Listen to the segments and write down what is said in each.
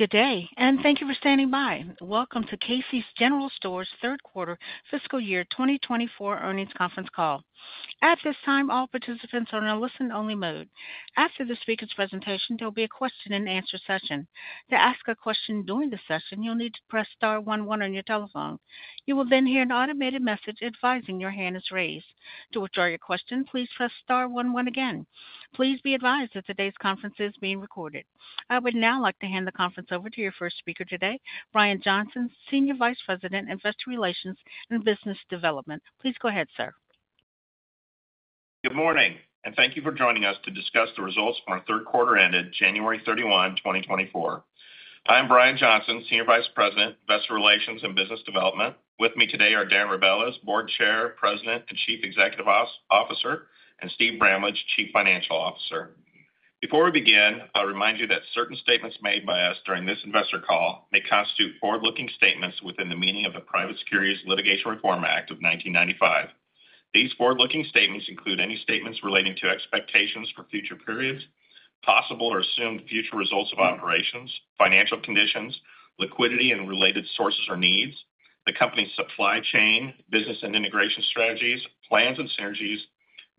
Good day, and thank you for standing by. Welcome to Casey's General Stores third quarter fiscal year 2024 earnings conference call. At this time, all participants are in a listen-only mode. After the speaker's presentation, there will be a question-and-answer session. To ask a question during the session, you'll need to press star 11 on your telephone. You will then hear an automated message advising your hand is raised. To withdraw your question, please press star 11 again. Please be advised that today's conference is being recorded. I would now like to hand the conference over to your first speaker today, Brian Johnson, Senior Vice President, Investor Relations and Business Development. Please go ahead, sir. Good morning, and thank you for joining us to discuss the results from our third quarter ended January 31, 2024. I am Brian Johnson, Senior Vice President, Investor Relations and Business Development. With me today are Darren Rebelez, Board Chair, President and Chief Executive Officer, and Steve Bramlage, Chief Financial Officer. Before we begin, I'll remind you that certain statements made by us during this investor call may constitute forward-looking statements within the meaning of the Private Securities Litigation Reform Act of 1995. These forward-looking statements include any statements relating to expectations for future periods, possible or assumed future results of operations, financial conditions, liquidity and related sources or needs, the company's supply chain, business and integration strategies, plans and synergies,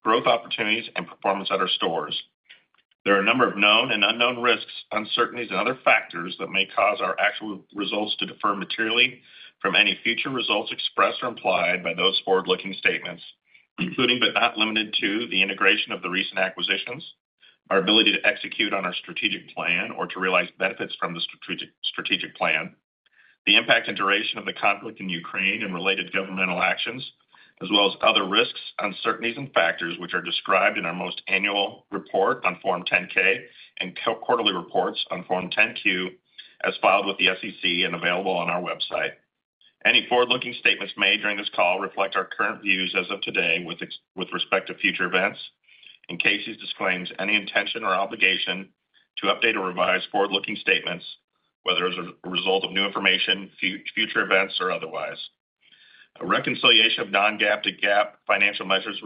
growth opportunities and performance at our stores. There are a number of known and unknown risks, uncertainties, and other factors that may cause our actual results to differ materially from any future results expressed or implied by those forward-looking statements, including but not limited to the integration of the recent acquisitions, our ability to execute on our strategic plan or to realize benefits from the strategic plan, the impact and duration of the conflict in Ukraine and related governmental actions, as well as other risks, uncertainties, and factors which are described in our most recent annual report on Form 10-K and quarterly reports on Form 10-Q as filed with the SEC and available on our website. Any forward-looking statements made during this call reflect our current views as of today with respect to future events, and Casey's disclaims any intention or obligation to update or revise forward-looking statements, whether as a result of new information, future events, or otherwise. A reconciliation of non-GAAP to GAAP financial measures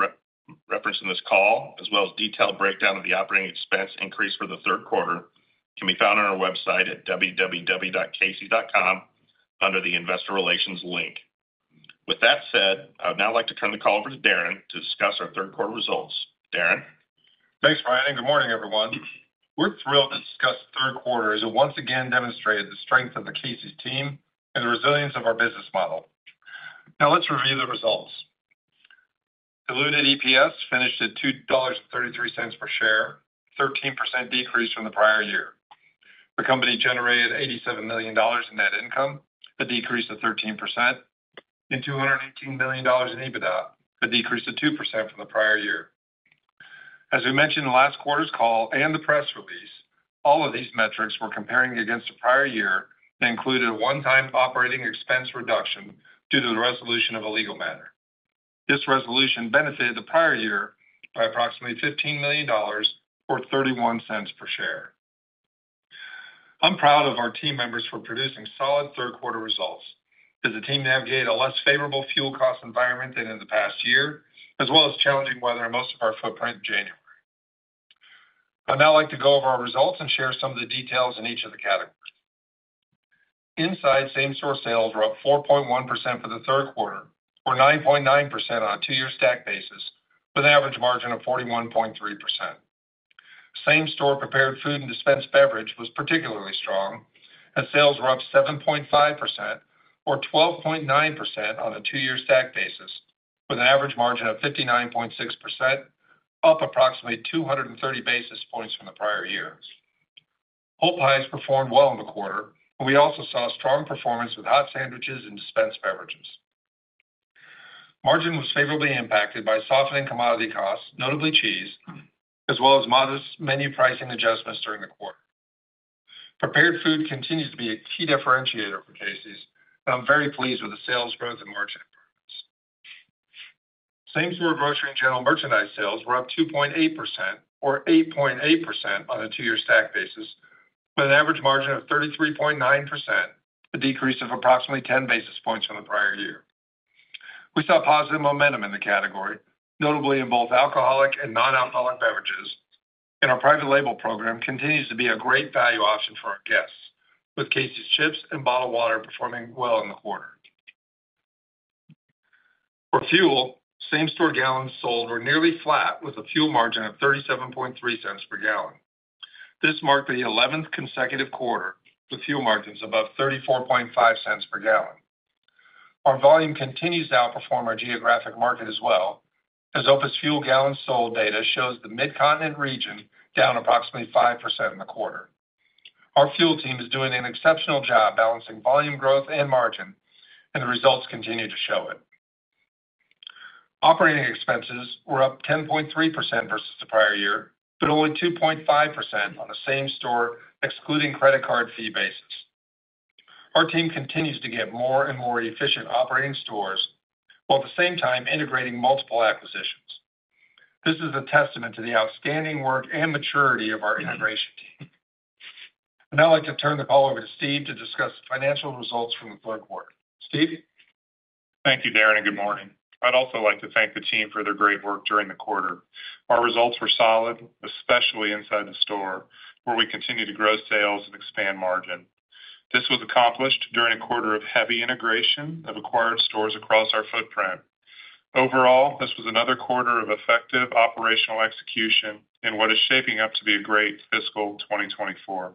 referenced in this call, as well as detailed breakdown of the operating expense increase for the third quarter, can be found on our website at www.casey.com under the Investor Relations link. With that said, I would now like to turn the call over to Darren to discuss our third quarter results. Darren. Thanks, Brian. Good morning, everyone. We're thrilled to discuss third quarter that once again demonstrated the strength of the Casey's team and the resilience of our business model. Now let's review the results. Diluted EPS finished at $2.33 per share, a 13% decrease from the prior year. The company generated $87 million in net income, a decrease of 13%, and $218 million in EBITDA, a decrease of 2% from the prior year. As we mentioned in the last quarter's call and the press release, all of these metrics were comparing against the prior year and included a one-time operating expense reduction due to the resolution of a legal matter. This resolution benefited the prior year by approximately $15 million or $0.31 per share. I'm proud of our team members for producing solid third quarter results, as the team navigated a less favorable fuel cost environment than in the past year, as well as challenging weather and most of our footprint in January. I'd now like to go over our results and share some of the details in each of the categories. Inside, same-store sales were up 4.1% for the third quarter, or 9.9% on a two-year stack basis, with an average margin of 41.3%. Same-store prepared food and dispensed beverage was particularly strong, as sales were up 7.5%, or 12.9% on a two-year stack basis, with an average margin of 59.6%, up approximately 230 basis points from the prior year. Whole pies performed well in the quarter, and we also saw strong performance with hot sandwiches and dispensed beverages. Margin was favorably impacted by softening commodity costs, notably cheese, as well as modest menu pricing adjustments during the quarter. Prepared food continues to be a key differentiator for Casey's, and I'm very pleased with the sales growth and margin improvements. Same-store grocery and general merchandise sales were up 2.8%, or 8.8% on a two-year stack basis, with an average margin of 33.9%, a decrease of approximately 10 basis points from the prior year. We saw positive momentum in the category, notably in both alcoholic and non-alcoholic beverages, and our private label program continues to be a great value option for our guests, with Casey's chips and bottled water performing well in the quarter. For fuel, same-store gallons sold were nearly flat, with a fuel margin of $0.373 per gallon. This marked the 11th consecutive quarter with fuel margins above $0.345 per gallon. Our volume continues to outperform our geographic market as well, as OPIS Fuel gallons sold data shows the Mid-Continent region down approximately 5% in the quarter. Our fuel team is doing an exceptional job balancing volume growth and margin, and the results continue to show it. Operating expenses were up 10.3% versus the prior year, but only 2.5% on a same-store excluding credit card fee basis. Our team continues to get more and more efficient operating stores while at the same time integrating multiple acquisitions. This is a testament to the outstanding work and maturity of our integration team. I'd now like to turn the call over to Steve to discuss financial results from the third quarter. Steve? Thank you, Darren, and good morning. I'd also like to thank the team for their great work during the quarter. Our results were solid, especially inside the store, where we continue to grow sales and expand margin. This was accomplished during a quarter of heavy integration of acquired stores across our footprint. Overall, this was another quarter of effective operational execution in what is shaping up to be a great fiscal 2024.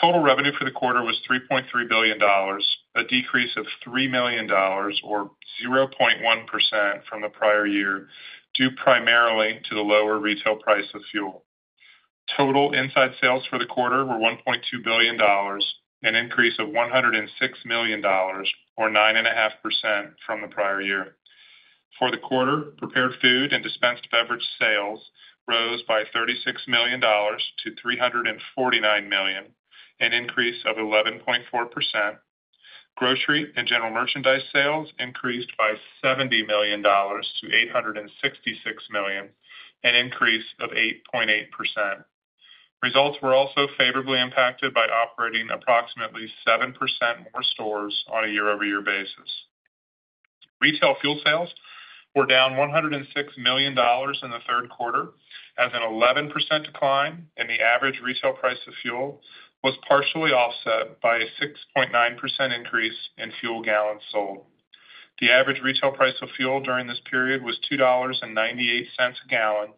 Total revenue for the quarter was $3.3 billion, a decrease of $3 million, or 0.1% from the prior year, due primarily to the lower retail price of fuel. Total inside sales for the quarter were $1.2 billion, an increase of $106 million, or 9.5% from the prior year. For the quarter, prepared food and dispensed beverages sales rose by $36 million to $349 million, an increase of 11.4%. Grocery and general merchandise sales increased by $70 million to $866 million, an increase of 8.8%. Results were also favorably impacted by operating approximately 7% more stores on a year-over-year basis. Retail fuel sales were down $106 million in the third quarter, as an 11% decline, and the average retail price of fuel was partially offset by a 6.9% increase in fuel gallons sold. The average retail price of fuel during this period was $2.98 a gallon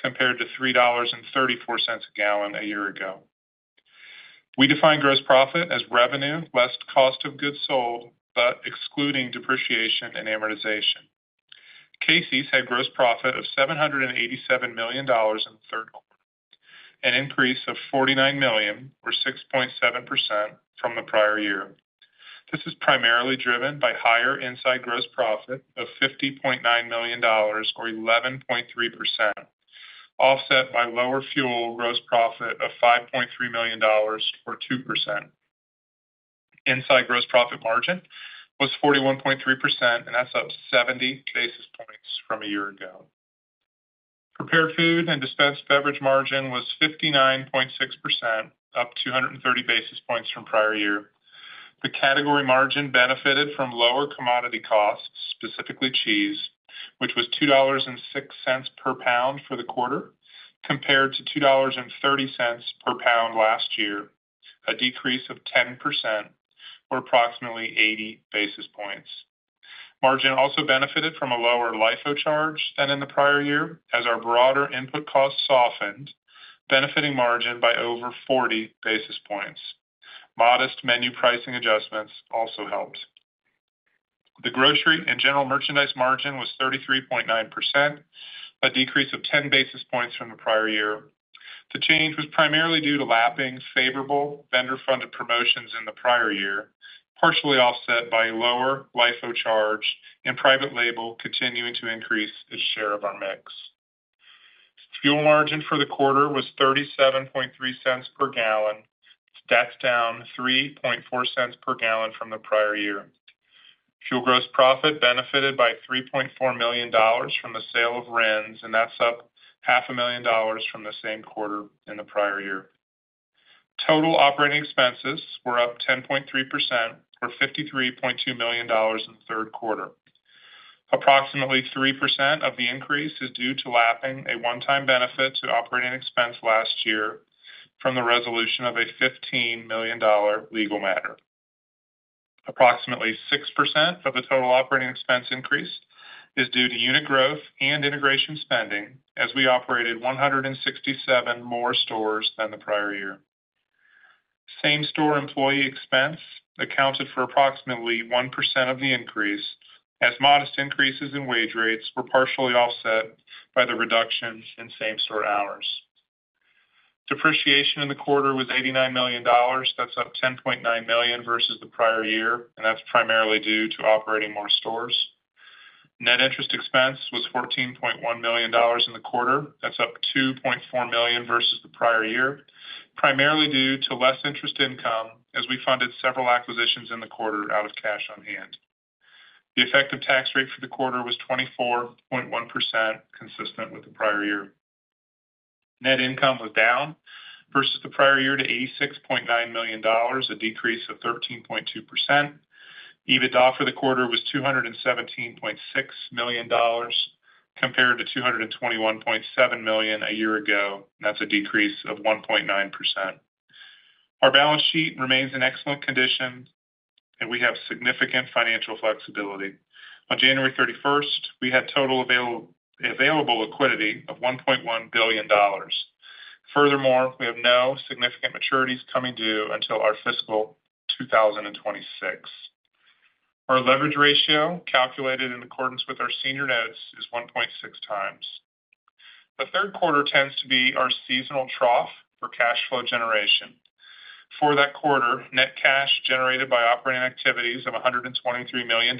compared to $3.34 a gallon a year ago. We define gross profit as revenue less cost of goods sold but excluding depreciation and amortization. Casey's had gross profit of $787 million in the third quarter, an increase of $49 million, or 6.7%, from the prior year. This is primarily driven by higher inside gross profit of $50.9 million, or 11.3%, offset by lower fuel gross profit of $5.3 million, or 2%. Inside gross profit margin was 41.3%, and that's up 70 basis points from a year ago. Prepared food and dispensed beverages margin was 59.6%, up 230 basis points from prior year. The category margin benefited from lower commodity costs, specifically cheese, which was $2.06 per pound for the quarter compared to $2.30 per pound last year, a decrease of 10%, or approximately 80 basis points. Margin also benefited from a lower LIFO charge than in the prior year, as our broader input cost softened, benefiting margin by over 40 basis points. Modest menu pricing adjustments also helped. The grocery and general merchandise margin was 33.9%, a decrease of 10 basis points from the prior year. The change was primarily due to lapping favorable vendor-funded promotions in the prior year, partially offset by a lower LIFO charge and private label continuing to increase its share of our mix. Fuel margin for the quarter was 37.3 cents per gallon. That's down 3.4 cents per gallon from the prior year. Fuel gross profit benefited by $3.4 million from the sale of RINs, and that's up $500,000 from the same quarter in the prior year. Total operating expenses were up 10.3%, or $53.2 million in the third quarter. Approximately 3% of the increase is due to lapping a one-time benefit to operating expense last year from the resolution of a $15 million legal matter. Approximately 6% of the total operating expense increase is due to unit growth and integration spending, as we operated 167 more stores than the prior year. Same-store employee expense accounted for approximately 1% of the increase, as modest increases in wage rates were partially offset by the reduction in same-store hours. Depreciation in the quarter was $89 million. That's up $10.9 million versus the prior year, and that's primarily due to operating more stores. Net interest expense was $14.1 million in the quarter. That's up $2.4 million versus the prior year, primarily due to less interest income, as we funded several acquisitions in the quarter out of cash on hand. The effective tax rate for the quarter was 24.1%, consistent with the prior year. Net income was down versus the prior year to $86.9 million, a decrease of 13.2%. EBITDA for the quarter was $217.6 million compared to $221.7 million a year ago, and that's a decrease of 1.9%. Our balance sheet remains in excellent condition, and we have significant financial flexibility. On January 31st, we had total available liquidity of $1.1 billion. Furthermore, we have no significant maturities coming due until our fiscal 2026. Our leverage ratio, calculated in accordance with our senior notes, is 1.6 times. The third quarter tends to be our seasonal trough for cash flow generation. For that quarter, net cash generated by operating activities of $123 million,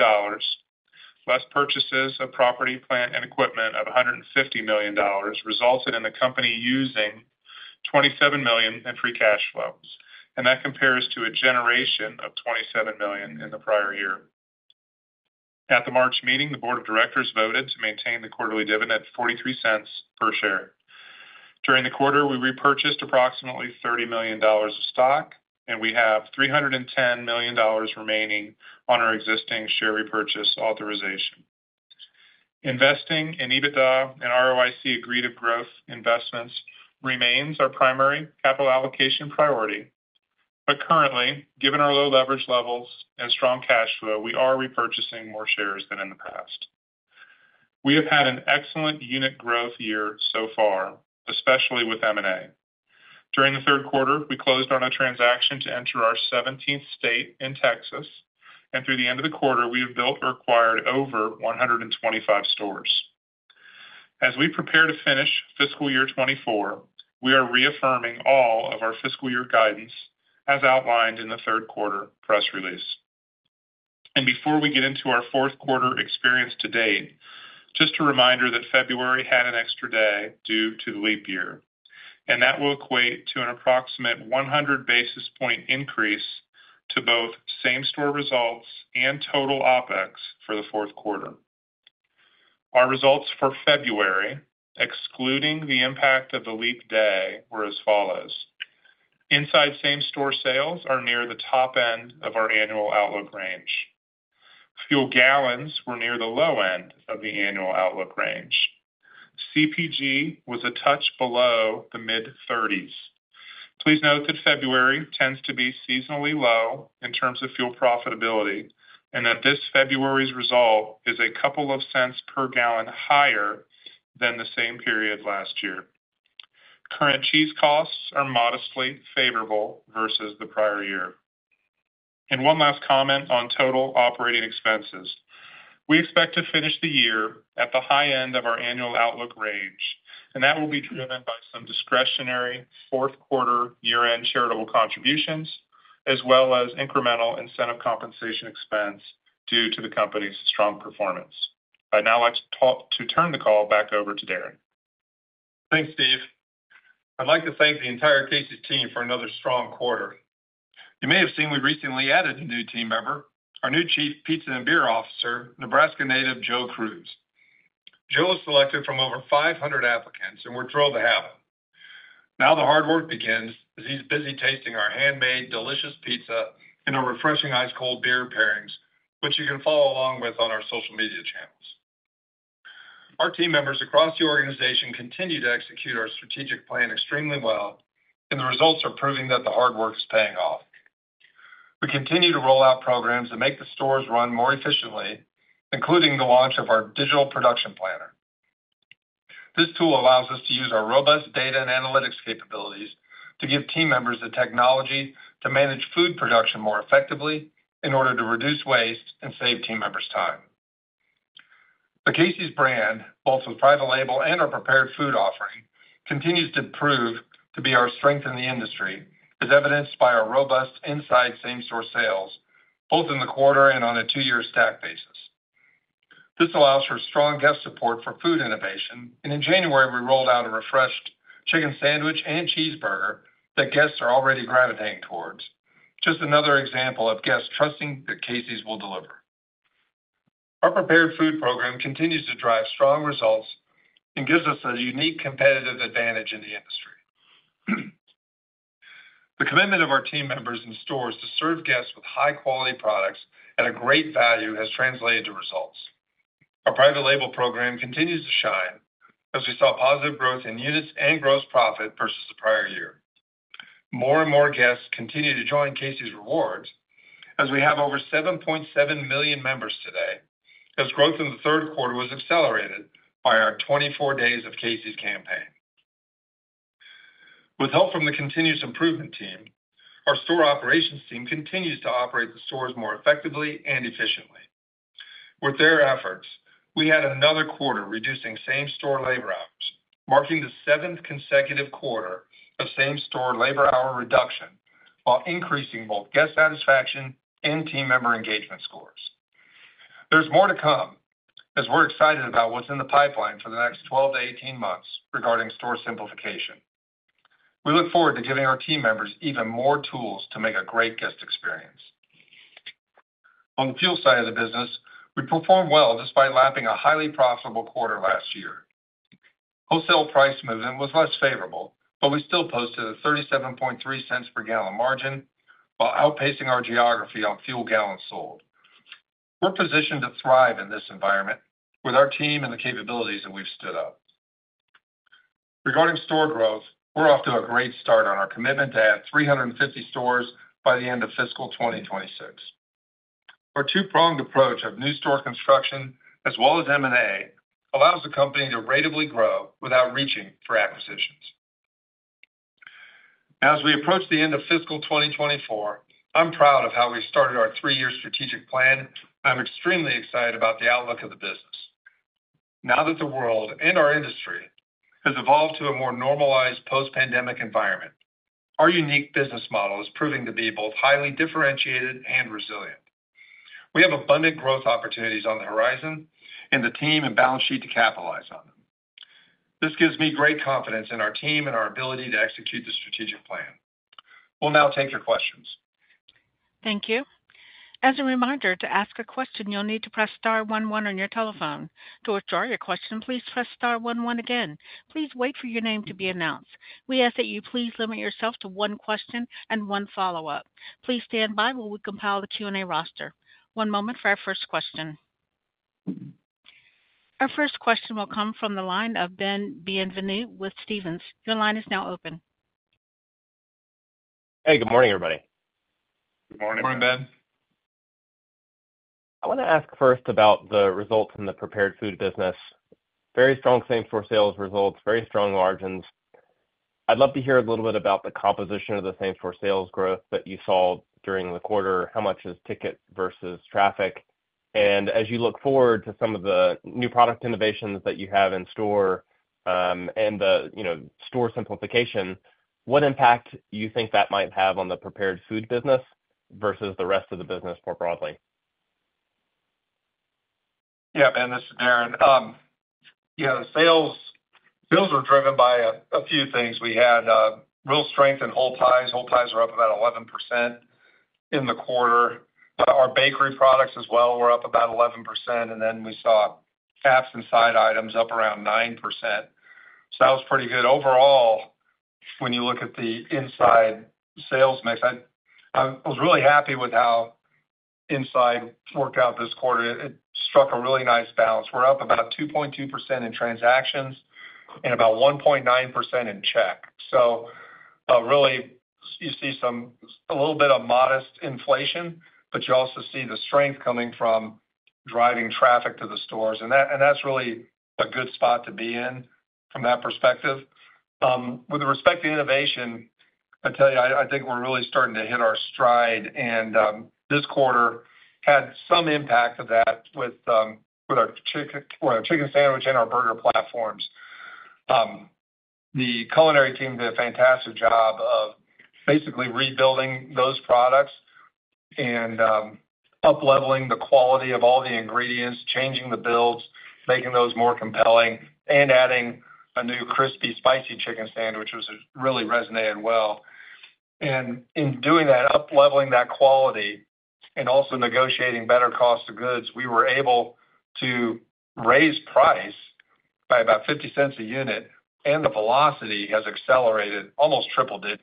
less purchases of property, plant, and equipment of $150 million, resulted in the company using $27 million in free cash flow, and that compares to a generation of $27 million in the prior year. At the March meeting, the board of directors voted to maintain the quarterly dividend at $0.43 per share. During the quarter, we repurchased approximately $30 million of stock, and we have $310 million remaining on our existing share repurchase authorization. Investing in EBITDA- and ROIC-accretive growth investments remains our primary capital allocation priority, but currently, given our low leverage levels and strong cash flow, we are repurchasing more shares than in the past. We have had an excellent unit growth year so far, especially with M&A. During the third quarter, we closed on a transaction to enter our 17th state in Texas, and through the end of the quarter, we have built or acquired over 125 stores. As we prepare to finish fiscal year 2024, we are reaffirming all of our fiscal year guidance as outlined in the third quarter press release. Before we get into our fourth quarter experience to date, just a reminder that February had an extra day due to the leap year, and that will equate to an approximate 100 basis points increase to both same-store results and total OpEx for the fourth quarter. Our results for February, excluding the impact of the leap day, were as follows. Inside same-store sales are near the top end of our annual outlook range. Fuel gallons were near the low end of the annual outlook range. CPG was a touch below the mid-30s. Please note that February tends to be seasonally low in terms of fuel profitability and that this February's result is a couple of cents per gallon higher than the same period last year. Current cheese costs are modestly favorable versus the prior year. One last comment on total operating expenses. We expect to finish the year at the high end of our annual outlook range, and that will be driven by some discretionary fourth quarter year-end charitable contributions as well as incremental incentive compensation expense due to the company's strong performance. I'd now like to turn the call back over to Darren. Thanks, Steve. I'd like to thank the entire Casey's team for another strong quarter. You may have seen we recently added a new team member, our new Chief Pizza and Beer Officer, Nebraska native Joe Keough. Joe was selected from over 500 applicants, and we're thrilled to have him. Now the hard work begins, as he's busy tasting our handmade, delicious pizza and our refreshing ice-cold beer pairings, which you can follow along with on our social media channels. Our team members across the organization continue to execute our strategic plan extremely well, and the results are proving that the hard work is paying off. We continue to roll out programs that make the stores run more efficiently, including the launch of our digital production planner. This tool allows us to use our robust data and analytics capabilities to give team members the technology to manage food production more effectively in order to reduce waste and save team members' time. The Casey's brand, both with private label and our prepared food offering, continues to prove to be our strength in the industry, as evidenced by our robust inside same-store sales, both in the quarter and on a two-year stack basis. This allows for strong guest support for food innovation, and in January, we rolled out a refreshed chicken sandwich and cheeseburger that guests are already gravitating towards, just another example of guests trusting that Casey's will deliver. Our prepared food program continues to drive strong results and gives us a unique competitive advantage in the industry. The commitment of our team members and stores to serve guests with high-quality products at a great value has translated to results. Our private label program continues to shine, as we saw positive growth in units and gross profit versus the prior year. More and more guests continue to join Casey's Rewards, as we have over 7.7 million members today, as growth in the third quarter was accelerated by our 24 Days of Casey's campaign. With help from the continuous improvement team, our store operations team continues to operate the stores more effectively and efficiently. With their efforts, we had another quarter reducing same-store labor hours, marking the seventh consecutive quarter of same-store labor hour reduction while increasing both guest satisfaction and team member engagement scores. There's more to come, as we're excited about what's in the pipeline for the next 12-18 months regarding store simplification. We look forward to giving our team members even more tools to make a great guest experience. On the fuel side of the business, we performed well despite lapping a highly profitable quarter last year. Wholesale price movement was less favorable, but we still posted a $0.373 per gallon margin while outpacing our geography on fuel gallons sold. We're positioned to thrive in this environment with our team and the capabilities that we've stood up. Regarding store growth, we're off to a great start on our commitment to add 350 stores by the end of fiscal 2026. Our two-pronged approach of new store construction as well as M&A allows the company to ratably grow without reaching for acquisitions. Now, as we approach the end of fiscal 2024, I'm proud of how we started our three-year strategic plan. I'm extremely excited about the outlook of the business. Now that the world and our industry has evolved to a more normalized post-pandemic environment, our unique business model is proving to be both highly differentiated and resilient. We have abundant growth opportunities on the horizon and the team and balance sheet to capitalize on them. This gives me great confidence in our team and our ability to execute the strategic plan. We'll now take your questions. Thank you. As a reminder, to ask a question, you'll need to press star 11 on your telephone. To withdraw your question, please press star 11 again. Please wait for your name to be announced. We ask that you please limit yourself to one question and one follow-up. Please stand by while we compile the Q&A roster. One moment for our first question. Our first question will come from the line of Ben Bienvenu with Stephens. Your line is now open. Hey, good morning, everybody. Good morning. Morning, Ben. I want to ask first about the results in the prepared food business. Very strong same-store sales results, very strong margins. I'd love to hear a little bit about the composition of the same-store sales growth that you saw during the quarter. How much is ticket versus traffic? And as you look forward to some of the new product innovations that you have in store and the store simplification, what impact do you think that might have on the prepared food business versus the rest of the business more broadly? Yeah, Ben, this is Darren. Sales are driven by a few things. We had real strength in whole pies. Whole pies are up about 11% in the quarter. Our bakery products as well were up about 11%, and then we saw apps and side items up around 9%. So that was pretty good. Overall, when you look at the inside sales mix, I was really happy with how inside worked out this quarter. It struck a really nice balance. We're up about 2.2% in transactions and about 1.9% in check. So really, you see a little bit of modest inflation, but you also see the strength coming from driving traffic to the stores, and that's really a good spot to be in from that perspective. With respect to innovation, I tell you, I think we're really starting to hit our stride, and this quarter had some impact of that with our chicken sandwich and our burger platforms. The culinary team did a fantastic job of basically rebuilding those products and upleveling the quality of all the ingredients, changing the builds, making those more compelling, and adding a new crispy spicy chicken sandwich, which really resonated well. In doing that, upleveling that quality and also negotiating better cost of goods, we were able to raise price by about $0.50 a unit, and the velocity has accelerated almost triple digits.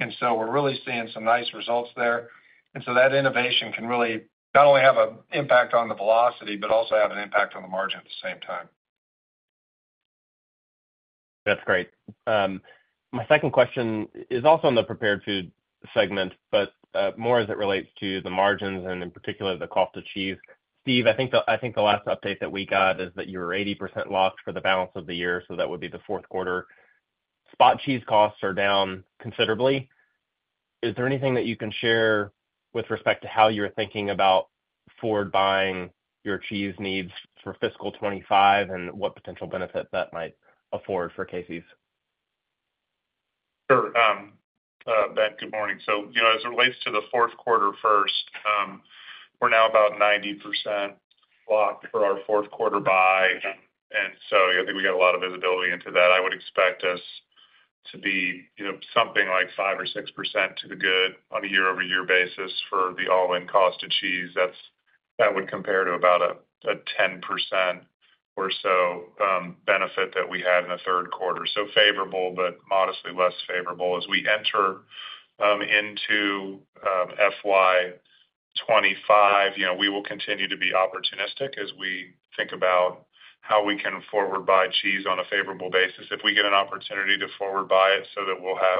And so we're really seeing some nice results there. And so that innovation can really not only have an impact on the velocity but also have an impact on the margin at the same time. That's great. My second question is also in the prepared food segment, but more as it relates to the margins and in particular the cost of cheese. Steve, I think the last update that we got is that you were 80% lost for the balance of the year, so that would be the fourth quarter. Spot cheese costs are down considerably. Is there anything that you can share with respect to how you're thinking about forward-buying your cheese needs for fiscal 2025 and what potential benefit that might afford for Casey's? Sure. Ben, good morning. So as it relates to the fourth quarter first, we're now about 90% locked for our fourth quarter buy, and so I think we got a lot of visibility into that. I would expect us to be something like 5% or 6% to the good on a year-over-year basis for the all-in cost of cheese. That would compare to about a 10% or so benefit that we had in the third quarter. So favorable, but modestly less favorable. As we enter into FY 2025, we will continue to be opportunistic as we think about how we can forward-buy cheese on a favorable basis. If we get an opportunity to forward-buy it so that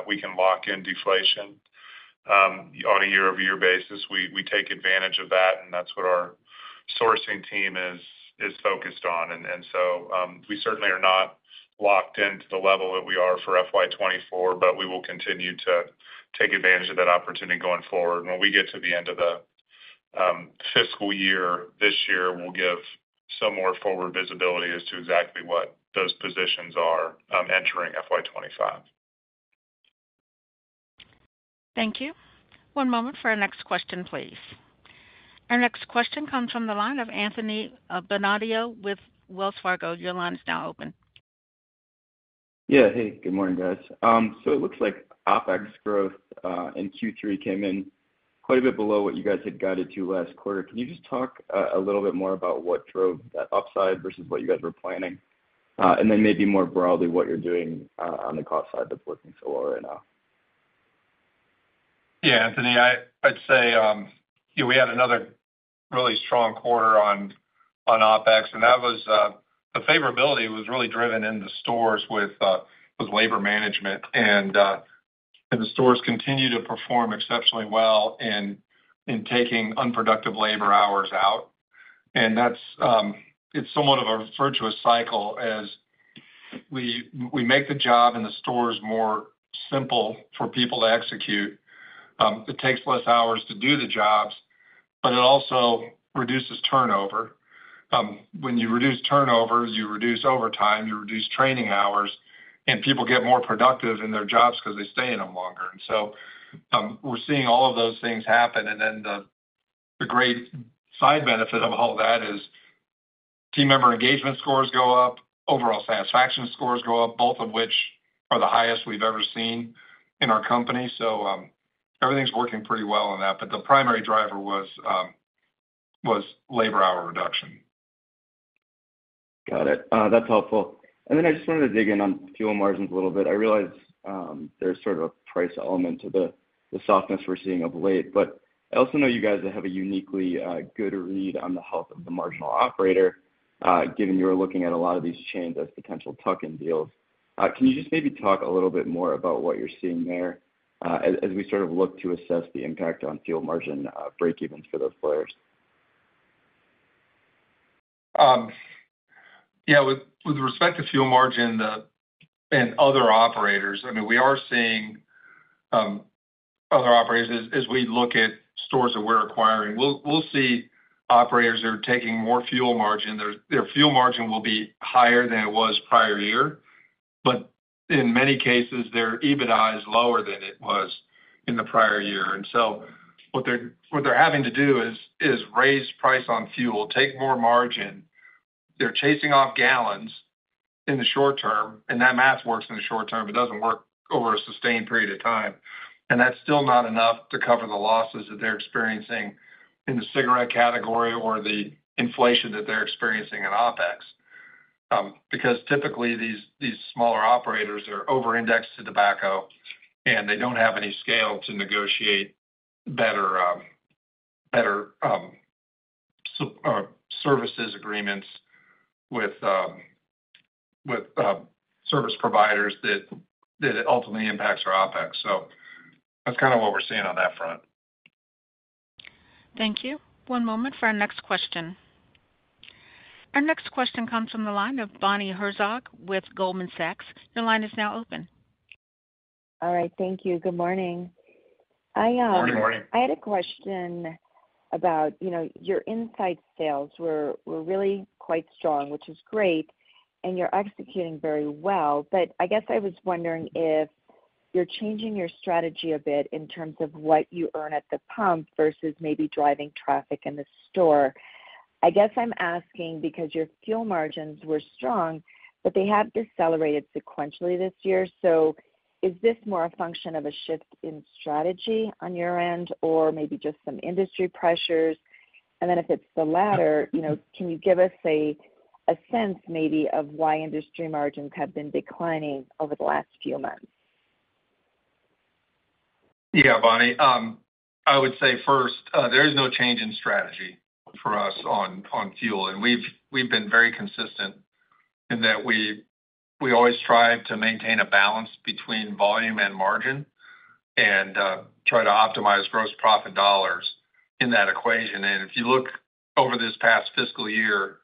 we can lock in deflation on a year-over-year basis, we take advantage of that, and that's what our sourcing team is focused on. So we certainly are not locked into the level that we are for FY 2024, but we will continue to take advantage of that opportunity going forward. When we get to the end of the fiscal year this year, we'll give some more forward visibility as to exactly what those positions are entering FY 2025. Thank you. One moment for our next question, please. Our next question comes from the line of Anthony Bonadio with Wells Fargo. Your line is now open. Yeah. Hey, good morning, guys. It looks like OpEx growth in Q3 came in quite a bit below what you guys had guided to last quarter. Can you just talk a little bit more about what drove that upside versus what you guys were planning, and then maybe more broadly what you're doing on the cost side that's working so well right now? Yeah, Anthony. I'd say we had another really strong quarter on OpEx, and the favorability was really driven in the stores with labor management, and the stores continue to perform exceptionally well in taking unproductive labor hours out. It's somewhat of a virtuous cycle as we make the job in the stores more simple for people to execute. It takes less hours to do the jobs, but it also reduces turnover. When you reduce turnover, you reduce overtime, you reduce training hours, and people get more productive in their jobs because they stay in them longer. So we're seeing all of those things happen, and then the great side benefit of all that is team member engagement scores go up, overall satisfaction scores go up, both of which are the highest we've ever seen in our company. Everything's working pretty well on that, but the primary driver was labor hour reduction. Got it. That's helpful. And then I just wanted to dig in on fuel margins a little bit. I realize there's sort of a price element to the softness we're seeing of late, but I also know you guys have a uniquely good read on the health of the marginal operator, given you were looking at a lot of these chains as potential tuck-in deals. Can you just maybe talk a little bit more about what you're seeing there as we sort of look to assess the impact on fuel margin breakevens for those players? Yeah. With respect to fuel margin and other operators, I mean, we are seeing other operators. As we look at stores that we're acquiring, we'll see operators that are taking more fuel margin. Their fuel margin will be higher than it was prior year, but in many cases, they're EBITDAs lower than it was in the prior year. And so what they're having to do is raise price on fuel, take more margin. They're chasing off gallons in the short term, and that math works in the short term, but doesn't work over a sustained period of time. And that's still not enough to cover the losses that they're experiencing in the cigarette category or the inflation that they're experiencing in OpEx because typically, these smaller operators are over-indexed to tobacco, and they don't have any scale to negotiate better service agreements with service providers that ultimately impacts our OpEx. That's kind of what we're seeing on that front. Thank you. One moment for our next question. Our next question comes from the line of Bonnie Herzog with Goldman Sachs. Your line is now open. All right. Thank you. Good morning. Morning, morning. I had a question about your inside sales were really quite strong, which is great, and you're executing very well. But I guess I was wondering if you're changing your strategy a bit in terms of what you earn at the pump versus maybe driving traffic in the store. I'm asking because your fuel margins were strong, but they have decelerated sequentially this year. So is this more a function of a shift in strategy on your end or maybe just some industry pressures? And then if it's the latter, can you give us a sense maybe of why industry margins have been declining over the last few months? Yeah, Bonnie. I would say first, there is no change in strategy for us on fuel, and we've been very consistent in that we always try to maintain a balance between volume and margin and try to optimize gross profit dollars in that equation. If you look over this past fiscal year,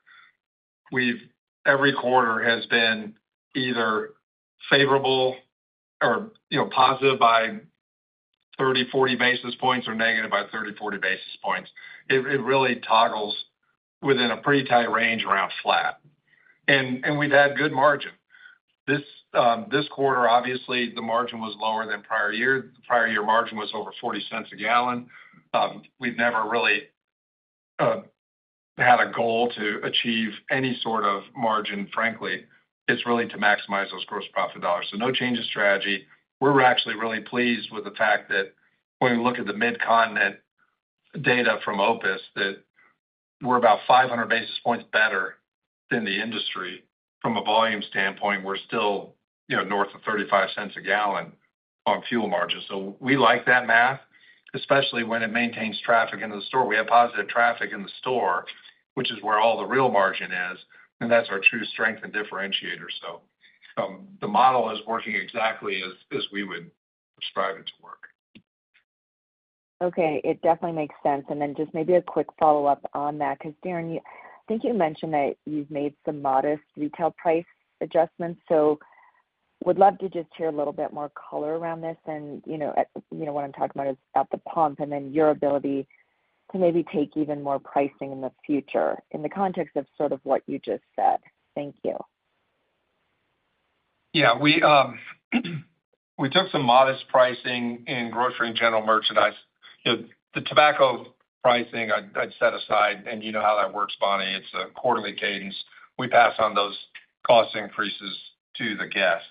every quarter has been either favorable or positive by 30-40 basis points or negative by 30-40 basis points. It really toggles within a pretty tight range around flat, and we've had good margin. This quarter, obviously, the margin was lower than prior year. The prior year margin was over $0.40 a gallon. We've never really had a goal to achieve any sort of margin, frankly. It's really to maximize those gross profit dollars. So no change in strategy. We're actually really pleased with the fact that when we look at the mid-continent data from OPIS, that we're about 500 basis points better than the industry from a volume standpoint. We're still north of $0.35 a gallon on fuel margin. So we like that math, especially when it maintains traffic into the store. We have positive traffic in the store, which is where all the real margin is, and that's our true strength and differentiator. So the model is working exactly as we would prescribe it to work. Okay. It definitely makes sense. And then just maybe a quick follow-up on that because, Darren, I think you mentioned that you've made some modest retail price adjustments. So would love to just hear a little bit more color around this. And what I'm talking about is at the pump and then your ability to maybe take even more pricing in the future in the context of sort of what you just said. Thank you. Yeah. We took some modest pricing in grocery and general merchandise. The tobacco pricing, I'd set aside, and you know how that works, Bonnie. It's a quarterly cadence. We pass on those cost increases to the guest.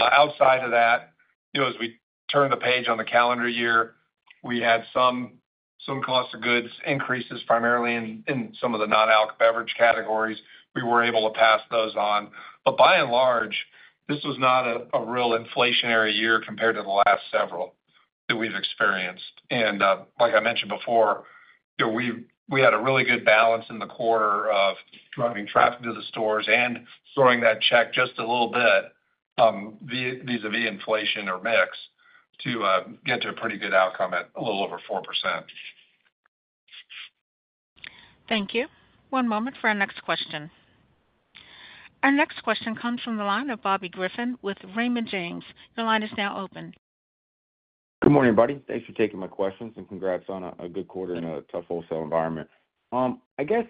Outside of that, as we turn the page on the calendar year, we had some cost of goods increases, primarily in some of the non-alcoholic beverage categories. We were able to pass those on. But by and large, this was not a real inflationary year compared to the last several that we've experienced. And like I mentioned before, we had a really good balance in the quarter of driving traffic to the stores and shortening that check just a little bit vis-à-vis inflation or mix to get to a pretty good outcome at a little over 4%. Thank you. One moment for our next question. Our next question comes from the line of Bobby Griffin with Raymond James. Your line is now open. Good morning, buddy. Thanks for taking my questions, and congrats on a good quarter in a tough wholesale environment. I guess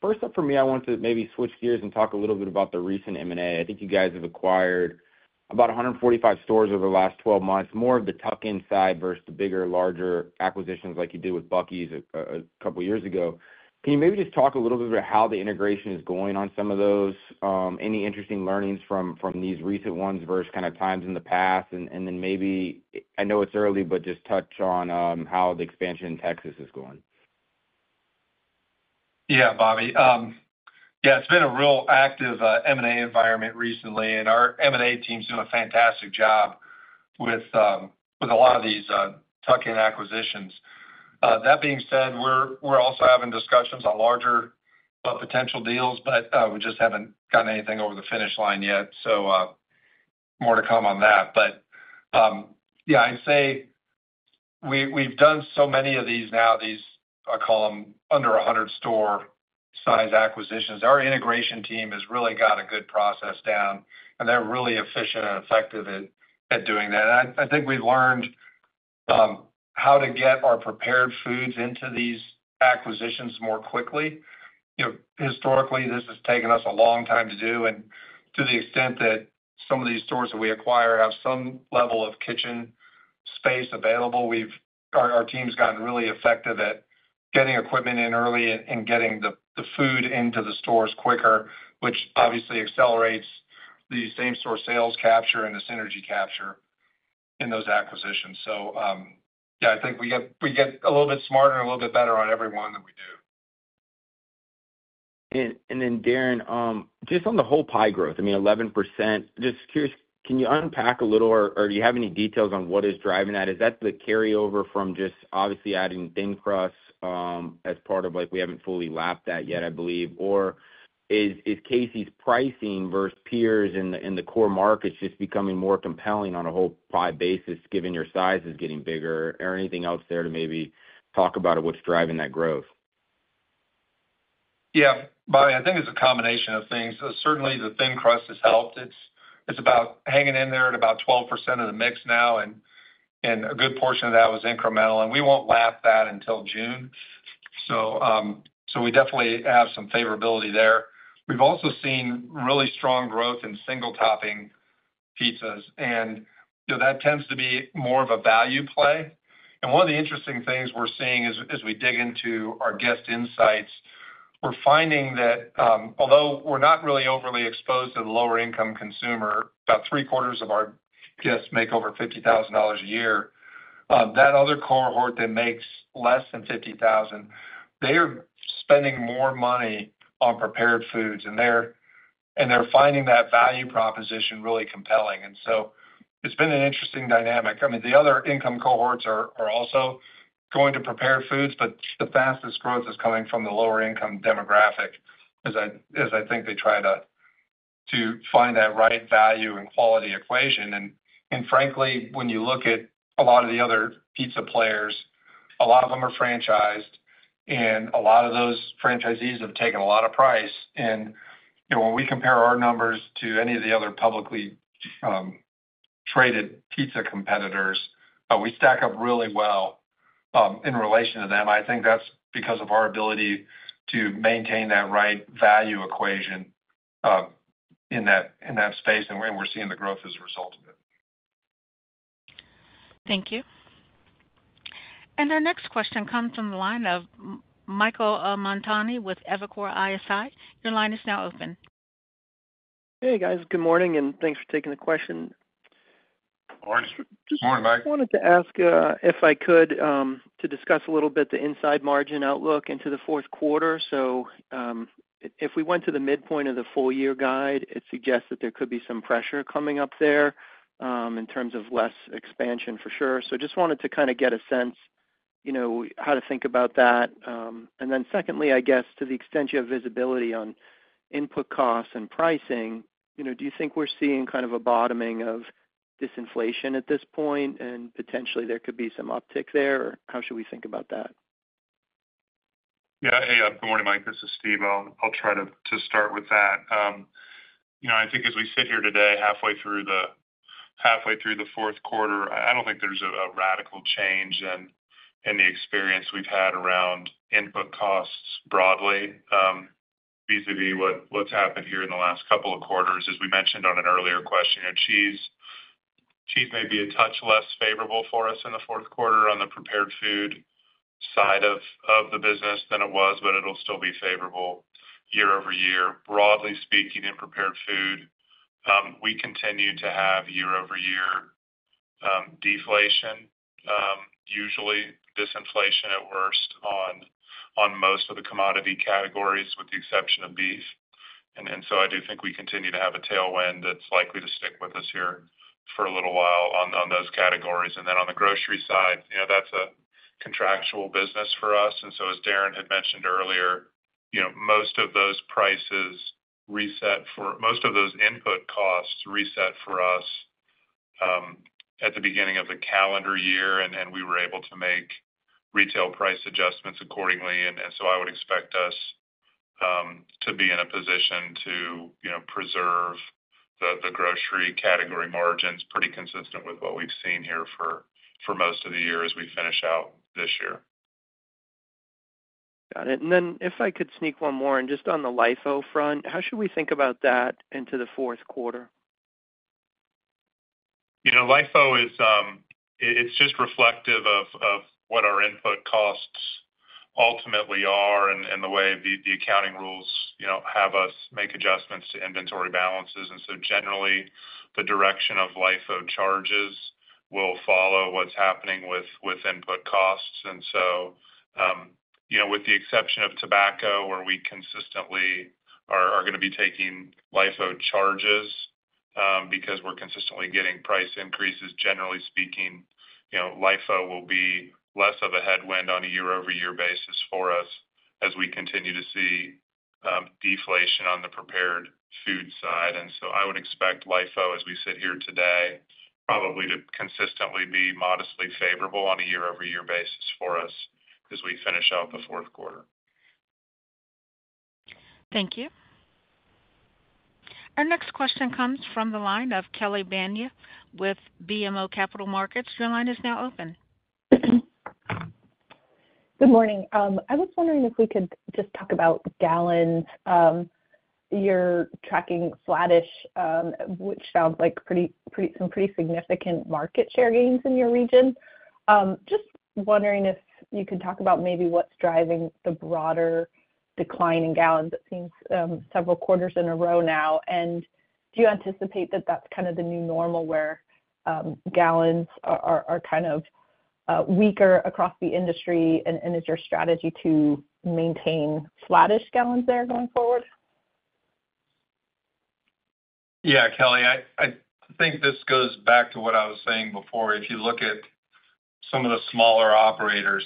first up for me, I want to maybe switch gears and talk a little bit about the recent M&A. I think you guys have acquired about 145 stores over the last 12 months, more of the tuck-in side versus the bigger, larger acquisitions like you did with Bucky's a couple of years ago. Can you maybe just talk a little bit about how the integration is going on some of those, any interesting learnings from these recent ones versus kind of times in the past? And then maybe I know it's early, but just touch on how the expansion in Texas is going? Yeah, Bobby. Yeah, it's been a real active M&A environment recently, and our M&A team's doing a fantastic job with a lot of these tuck-in acquisitions. That being said, we're also having discussions on larger potential deals, but we just haven't gotten anything over the finish line yet. So more to come on that. But yeah, I'd say we've done so many of these now. I call them under 100-store-size acquisitions. Our integration team has really got a good process down, and they're really efficient and effective at doing that. And I think we've learned how to get our prepared foods into these acquisitions more quickly. Historically, this has taken us a long time to do, and to the extent that some of these stores that we acquire have some level of kitchen space available, our team's gotten really effective at getting equipment in early and getting the food into the stores quicker, which obviously accelerates the same-store sales capture and the synergy capture in those acquisitions. Yeah, I think we get a little bit smarter and a little bit better on every one than we do. Then, Darren, just on the whole pie growth, I mean, 11%, just curious, can you unpack a little, or do you have any details on what is driving that? Is that the carryover from just obviously adding thin crust as part of we haven't fully lapped that yet, I believe, or is Casey's pricing versus peers in the core markets just becoming more compelling on a whole pie basis given your size is getting bigger? Or anything else there to maybe talk about what's driving that growth? Yeah, Bobby, I think it's a combination of things. Certainly, the thin crust has helped. It's about hanging in there at about 12% of the mix now, and a good portion of that was incremental. And we won't lap that until June. So we definitely have some favorability there. We've also seen really strong growth in single-topping pizzas, and that tends to be more of a value play. One of the interesting things we're seeing as we dig into our guest insights, we're finding that although we're not really overly exposed to the lower-income consumer, about three-quarters of our guests make over $50,000 a year. That other cohort that makes less than $50,000, they are spending more money on prepared foods, and they're finding that value proposition really compelling. And so it's been an interesting dynamic. I mean, the other income cohorts are also going to prepared foods, but the fastest growth is coming from the lower-income demographic as I think they try to find that right value and quality equation. And frankly, when you look at a lot of the other pizza players, a lot of them are franchised, and a lot of those franchisees have taken a lot of price. And when we compare our numbers to any of the other publicly traded pizza competitors, we stack up really well in relation to them. I think that's because of our ability to maintain that right value equation in that space, and we're seeing the growth as a result of it. Thank you. And our next question comes from the line of Michael Montani with Evercore ISI. Your line is now open. Hey, guys. Good morning, and thanks for taking the question. Morning. Morning, Mike. I wanted to ask if I could to discuss a little bit the inside margin outlook into the fourth quarter. If we went to the midpoint of the full-year guide, it suggests that there could be some pressure coming up there in terms of less expansion, for sure. Just wanted to kind of get a sense how to think about that. Then secondly, I guess, to the extent you have visibility on input costs and pricing, do you think we're seeing kind of a bottoming of disinflation at this point, and potentially, there could be some uptick there? Or how should we think about that? Yeah. Hey, good morning, Mike. This is Steve. I'll try to start with that. I think as we sit here today, halfway through the fourth quarter, I don't think there's a radical change in the experience we've had around input costs broadly vis-à-vis what's happened here in the last couple of quarters. As we mentioned on an earlier question, cheese may be a touch less favorable for us in the fourth quarter on the prepared food side of the business than it was, but it'll still be favorable year-over-year. Broadly speaking, in prepared food, we continue to have year-over-year deflation, usually disinflation at worst on most of the commodity categories with the exception of beef. And so I do think we continue to have a tailwind that's likely to stick with us here for a little while on those categories. Then on the grocery side, that's a contractual business for us. And so as Darren had mentioned earlier, most of those prices reset for most of those input costs reset for us at the beginning of the calendar year, and we were able to make retail price adjustments accordingly. And so I would expect us to be in a position to preserve the grocery category margins pretty consistent with what we've seen here for most of the year as we finish out this year. Got it. And then if I could sneak one more and just on the LIFO front, how should we think about that into the fourth quarter? LIFO, it's just reflective of what our input costs ultimately are and the way the accounting rules have us make adjustments to inventory balances. And so generally, the direction of LIFO charges will follow what's happening with input costs. So with the exception of tobacco, where we consistently are going to be taking LIFO charges because we're consistently getting price increases, generally speaking, LIFO will be less of a headwind on a year-over-year basis for us as we continue to see deflation on the prepared food side. And so I would expect LIFO, as we sit here today, probably to consistently be modestly favorable on a year-over-year basis for us as we finish out the fourth quarter. Thank you. Our next question comes from the line of Kelly Bania with BMO Capital Markets. Your line is now open. Good morning. I was wondering if we could just talk about gallons. You're tracking flattish, which sounds like some pretty significant market share gains in your region. Just wondering if you could talk about maybe what's driving the broader decline in gallons. It seems several quarters in a row now. And do you anticipate that that's kind of the new normal where gallons are kind of weaker across the industry? And is your strategy to maintain flattish gallons there going forward? Yeah, Kelly. I think this goes back to what I was saying before. If you look at some of the smaller operators,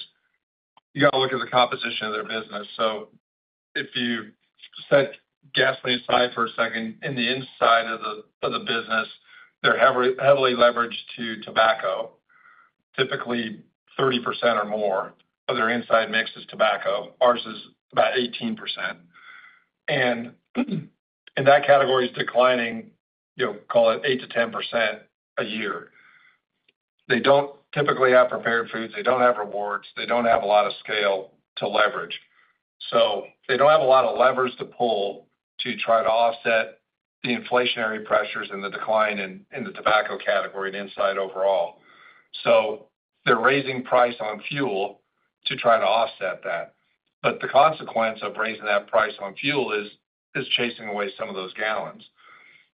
you got to look at the composition of their business. So if you set gasoline aside for a second, in the inside of the business, they're heavily leveraged to tobacco, typically 30% or more. Of their inside mix is tobacco. Ours is about 18%. And that category's declining, call it 8%-10% a year. They don't typically have prepared foods. They don't have rewards. They don't have a lot of scale to leverage. So they don't have a lot of levers to pull to try to offset the inflationary pressures and the decline in the tobacco category and inside overall. So they're raising price on fuel to try to offset that. But the consequence of raising that price on fuel is chasing away some of those gallons.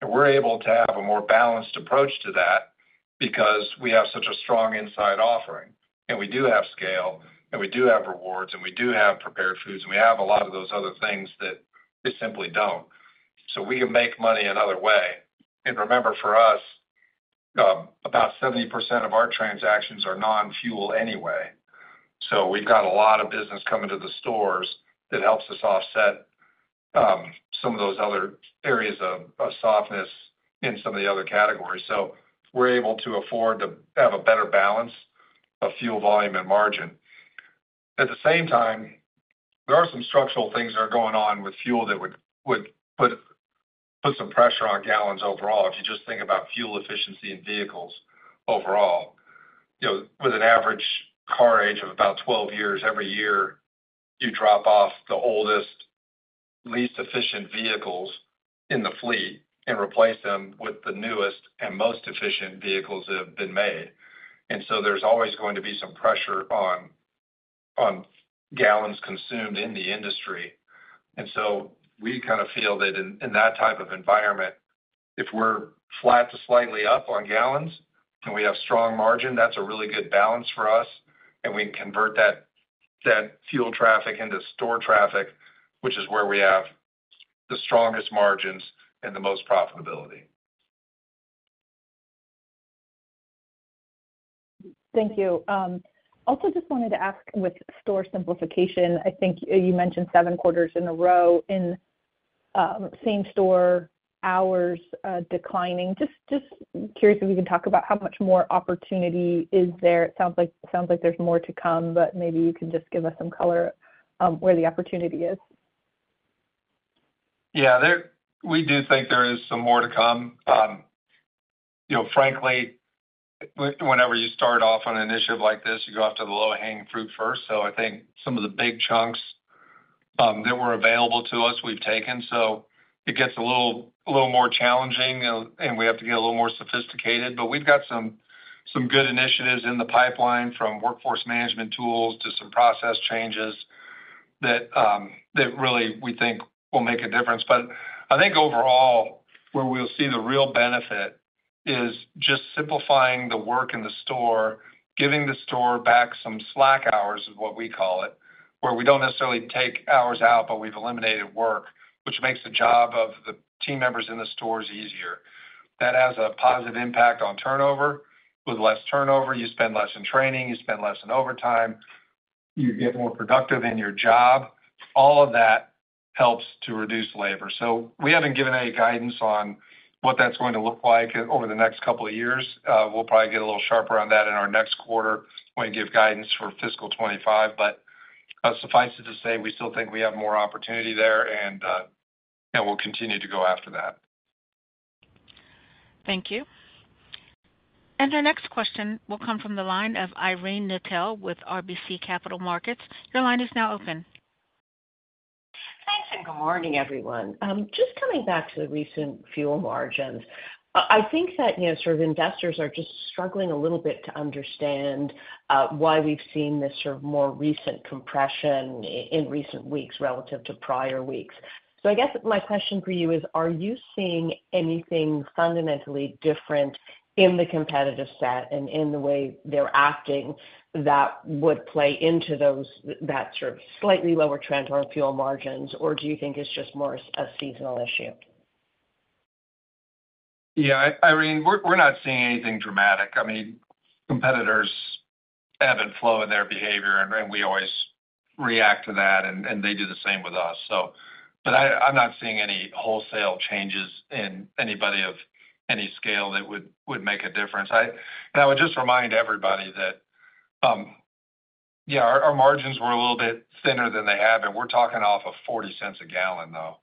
And we're able to have a more balanced approach to that because we have such a strong inside offering, and we do have scale, and we do have rewards, and we do have prepared foods, and we have a lot of those other things that they simply don't. We can make money another way. And remember, for us, about 70% of our transactions are non-fuel anyway. So we've got a lot of business coming to the stores that helps us offset some of those other areas of softness in some of the other categories. So we're able to afford to have a better balance of fuel volume and margin. At the same time, there are some structural things that are going on with fuel that would put some pressure on gallons overall. If you just think about fuel efficiency and vehicles overall, with an average car age of about 12 years, every year, you drop off the oldest, least efficient vehicles in the fleet and replace them with the newest and most efficient vehicles that have been made. And so there's always going to be some pressure on gallons consumed in the industry. We kind of feel that in that type of environment, if we're flat to slightly up on gallons and we have strong margin, that's a really good balance for us. And we can convert that fuel traffic into store traffic, which is where we have the strongest margins and the most profitability. Thank you. Also, just wanted to ask with store simplification, I think you mentioned 7 quarters in a row in same-store hours declining. Just curious if we can talk about how much more opportunity is there. It sounds like there's more to come, but maybe you can just give us some color where the opportunity is. Yeah, we do think there is some more to come. Frankly, whenever you start off on an initiative like this, you go after the low-hanging fruit first. So I think some of the big chunks that were available to us, we've taken. So it gets a little more challenging, and we have to get a little more sophisticated. We've got some good initiatives in the pipeline from workforce management tools to some process changes that really we think will make a difference. But I think overall, where we'll see the real benefit is just simplifying the work in the store, giving the store back some slack hours is what we call it, where we don't necessarily take hours out, but we've eliminated work, which makes the job of the team members in the stores easier. That has a positive impact on turnover. With less turnover, you spend less in training, you spend less in overtime, you get more productive in your job. All of that helps to reduce labor. So we haven't given any guidance on what that's going to look like over the next couple of years. We'll probably get a little sharper on that in our next quarter when we give guidance for fiscal 2025. But suffice it to say, we still think we have more opportunity there, and we'll continue to go after that. Thank you. Our next question will come from the line of Irene Nattel with RBC Capital Markets. Your line is now open. Thanks, and good morning, everyone. Just coming back to the recent fuel margins, I think that sort of investors are just struggling a little bit to understand why we've seen this sort of more recent compression in recent weeks relative to prior weeks. So I guess my question for you is, are you seeing anything fundamentally different in the competitive set and in the way they're acting that would play into that sort of slightly lower trend on fuel margins? Or do you think it's just more a seasonal issue? Yeah, Irene, we're not seeing anything dramatic. I mean, competitors ebb and flow in their behavior, and we always react to that, and they do the same with us. But I'm not seeing any wholesale changes in anybody of any scale that would make a difference. And I would just remind everybody that, yeah, our margins were a little bit thinner than they have, and we're talking off of $0.40 a gallon, though.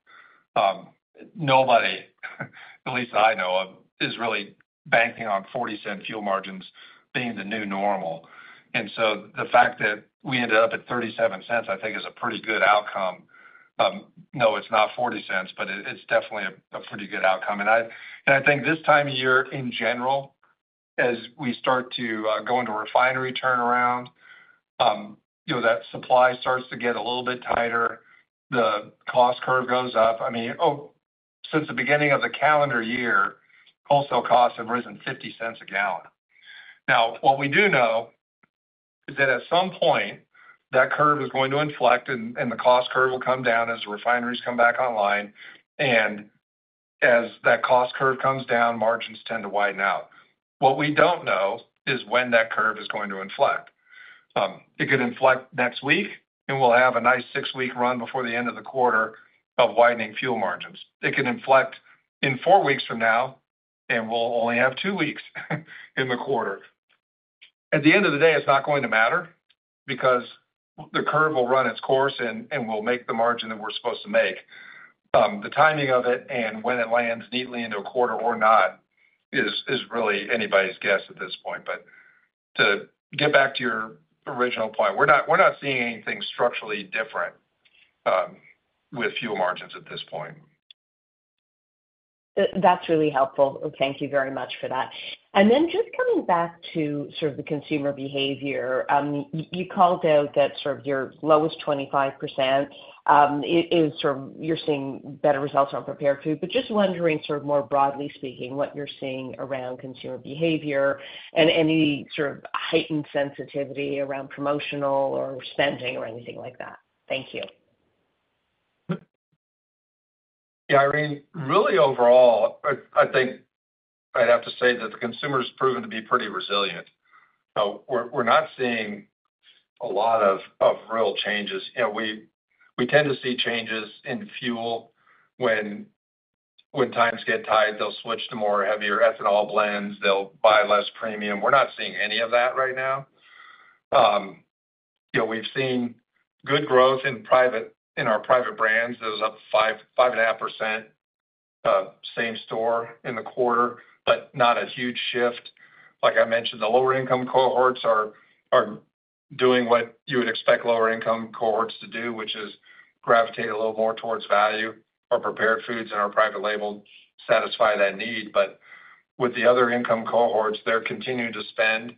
Nobody, at least that I know of, is really banking on $0.40 fuel margins being the new normal. And so the fact that we ended up at $0.37, I think, is a pretty good outcome. No, it's not $0.40, but it's definitely a pretty good outcome. And I think this time of year, in general, as we start to go into refinery turnaround, that supply starts to get a little bit tighter. The cost curve goes up. I mean, since the beginning of the calendar year, wholesale costs have risen $0.50 a gallon. Now, what we do know is that at some point, that curve is going to inflect, and the cost curve will come down as refineries come back online. And as that cost curve comes down, margins tend to widen out. What we don't know is when that curve is going to inflect. It could inflect next week, and we'll have a nice six-week run before the end of the quarter of widening fuel margins. It could inflect in four weeks from now, and we'll only have two weeks in the quarter. At the end of the day, it's not going to matter because the curve will run its course, and we'll make the margin that we're supposed to make. The timing of it and when it lands neatly into a quarter or not is really anybody's guess at this point. To get back to your original point, we're not seeing anything structurally different with fuel margins at this point. That's really helpful. Thank you very much for that. And then just coming back to sort of the consumer behavior, you called out that sort of your lowest 25% is sort of you're seeing better results on prepared food. But just wondering, sort of more broadly speaking, what you're seeing around consumer behavior and any sort of heightened sensitivity around promotional or spending or anything like that. Thank you. Yeah, Irene, really overall, I think I'd have to say that the consumer's proven to be pretty resilient. We're not seeing a lot of real changes. We tend to see changes in fuel. When times get tied, they'll switch to more heavier ethanol blends. They'll buy less premium. We're not seeing any of that right now. We've seen good growth in our private brands. It was up 5.5%, same store in the quarter, but not a huge shift. Like I mentioned, the lower-income cohorts are doing what you would expect lower-income cohorts to do, which is gravitate a little more towards value. Our prepared foods and our private label satisfy that need. But with the other income cohorts, they're continuing to spend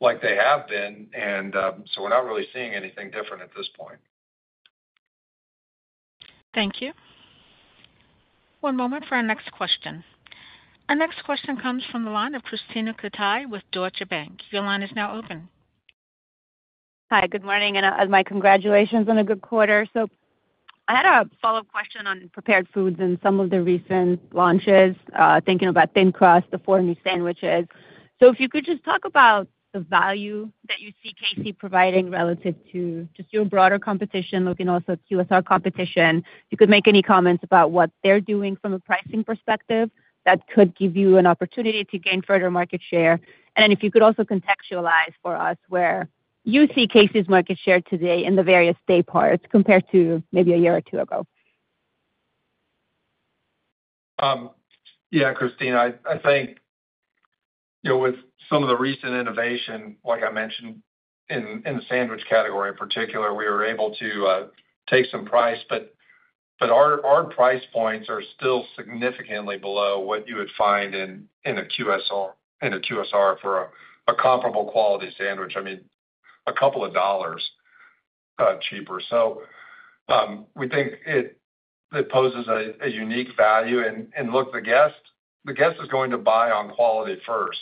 like they have been. And so we're not really seeing anything different at this point. Thank you. One moment for our next question. Our next question comes from the line of Krisztina Katai with Deutsche Bank. Your line is now open. Hi, good morning, and my congratulations on a good quarter. So I had a follow-up question on prepared foods and some of their recent launches, thinking about Thin Crust, the four new sandwiches. So if you could just talk about the value that you see Casey providing relative to just your broader competition, looking also at QSR competition, if you could make any comments about what they're doing from a pricing perspective that could give you an opportunity to gain further market share. And then if you could also contextualize for us where you see Casey's market share today in the various day parts compared to maybe a year or two ago. Yeah, Krisztina, I think with some of the recent innovation, like I mentioned, in the sandwich category in particular, we were able to take some price, but our price points are still significantly below what you would find in a QSR for a comparable quality sandwich. I mean, a couple of dollars cheaper. So we think it poses a unique value. Look, the guest is going to buy on quality first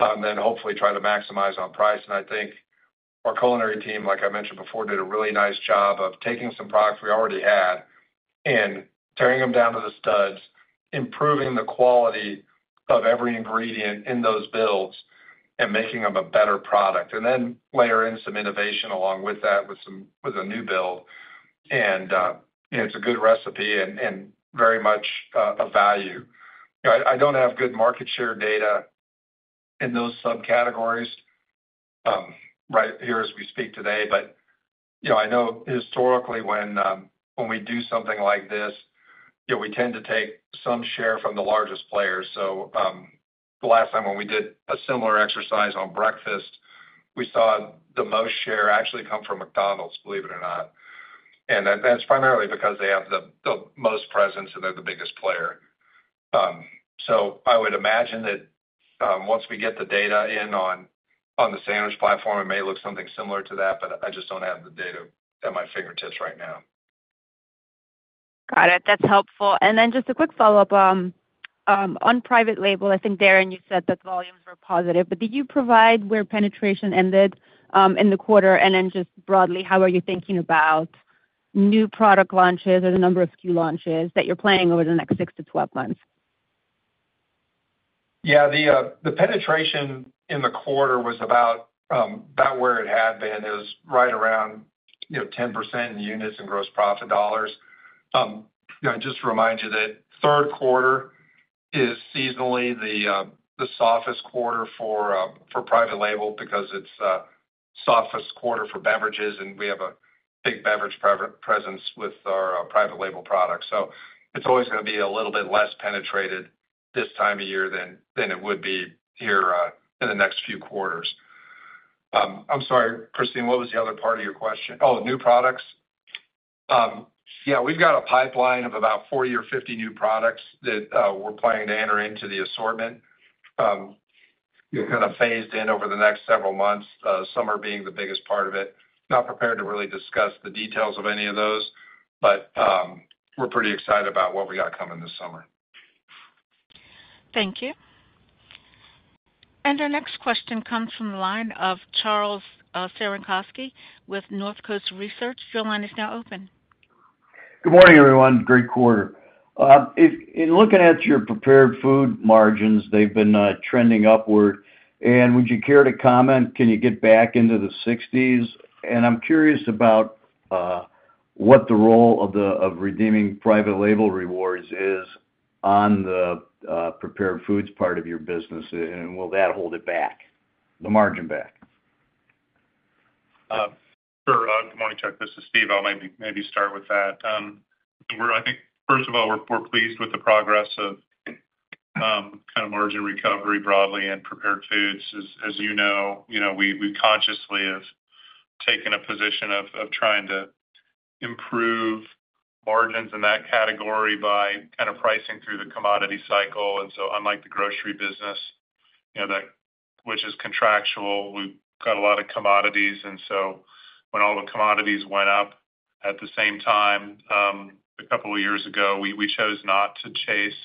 and then hopefully try to maximize on price. And I think our culinary team, like I mentioned before, did a really nice job of taking some products we already had and tearing them down to the studs, improving the quality of every ingredient in those builds, and making them a better product, and then layer in some innovation along with that with a new build. And it's a good recipe and very much of value. I don't have good market share data in those subcategories right here as we speak today. But I know historically, when we do something like this, we tend to take some share from the largest players. So the last time when we did a similar exercise on breakfast, we saw the most share actually come from McDonald's, believe it or not. And that's primarily because they have the most presence, and they're the biggest player. So I would imagine that once we get the data in on the sandwich platform, it may look something similar to that, but I just don't have the data at my fingertips right now. Got it. That's helpful. And then just a quick follow-up. On private label, I think, Darren, you said that volumes were positive. But did you provide where penetration ended in the quarter? And then just broadly, how are you thinking about new product launches or the number of few launches that you're planning over the next 6 to 12 months? Yeah, the penetration in the quarter was about where it had been. It was right around 10% in units and gross profit dollars. I'd just remind you that third quarter is seasonally the softest quarter for private label because it's the softest quarter for beverages, and we have a big beverage presence with our private label products. It's always going to be a little bit less penetrated this time of year than it would be here in the next few quarters. I'm sorry, Christine, what was the other part of your question? Oh, new products. Yeah, we've got a pipeline of about 40 or 50 new products that we're planning to enter into the assortment, kind of phased in over the next several months, summer being the biggest part of it. Not prepared to really discuss the details of any of those, but we're pretty excited about what we got coming this summer. Thank you. Our next question comes from the line of Chuck Cerankosky with North Coast Research. Your line is now open. Good morning, everyone. Great quarter. In looking at your prepared food margins, they've been trending upward. Would you care to comment, can you get back into the 60s? I'm curious about what the role of redeeming private label rewards is on the prepared foods part of your business, and will that hold it back, the margin back? Sure. Good morning, Chuck. This is Steve. I'll maybe start with that. I think, first of all, we're pleased with the progress of kind of margin recovery broadly in prepared foods. As you know, we consciously have taken a position of trying to improve margins in that category by kind of pricing through the commodity cycle. So unlike the grocery business, which is contractual, we've got a lot of commodities. When all the commodities went up at the same time a couple of years ago, we chose not to chase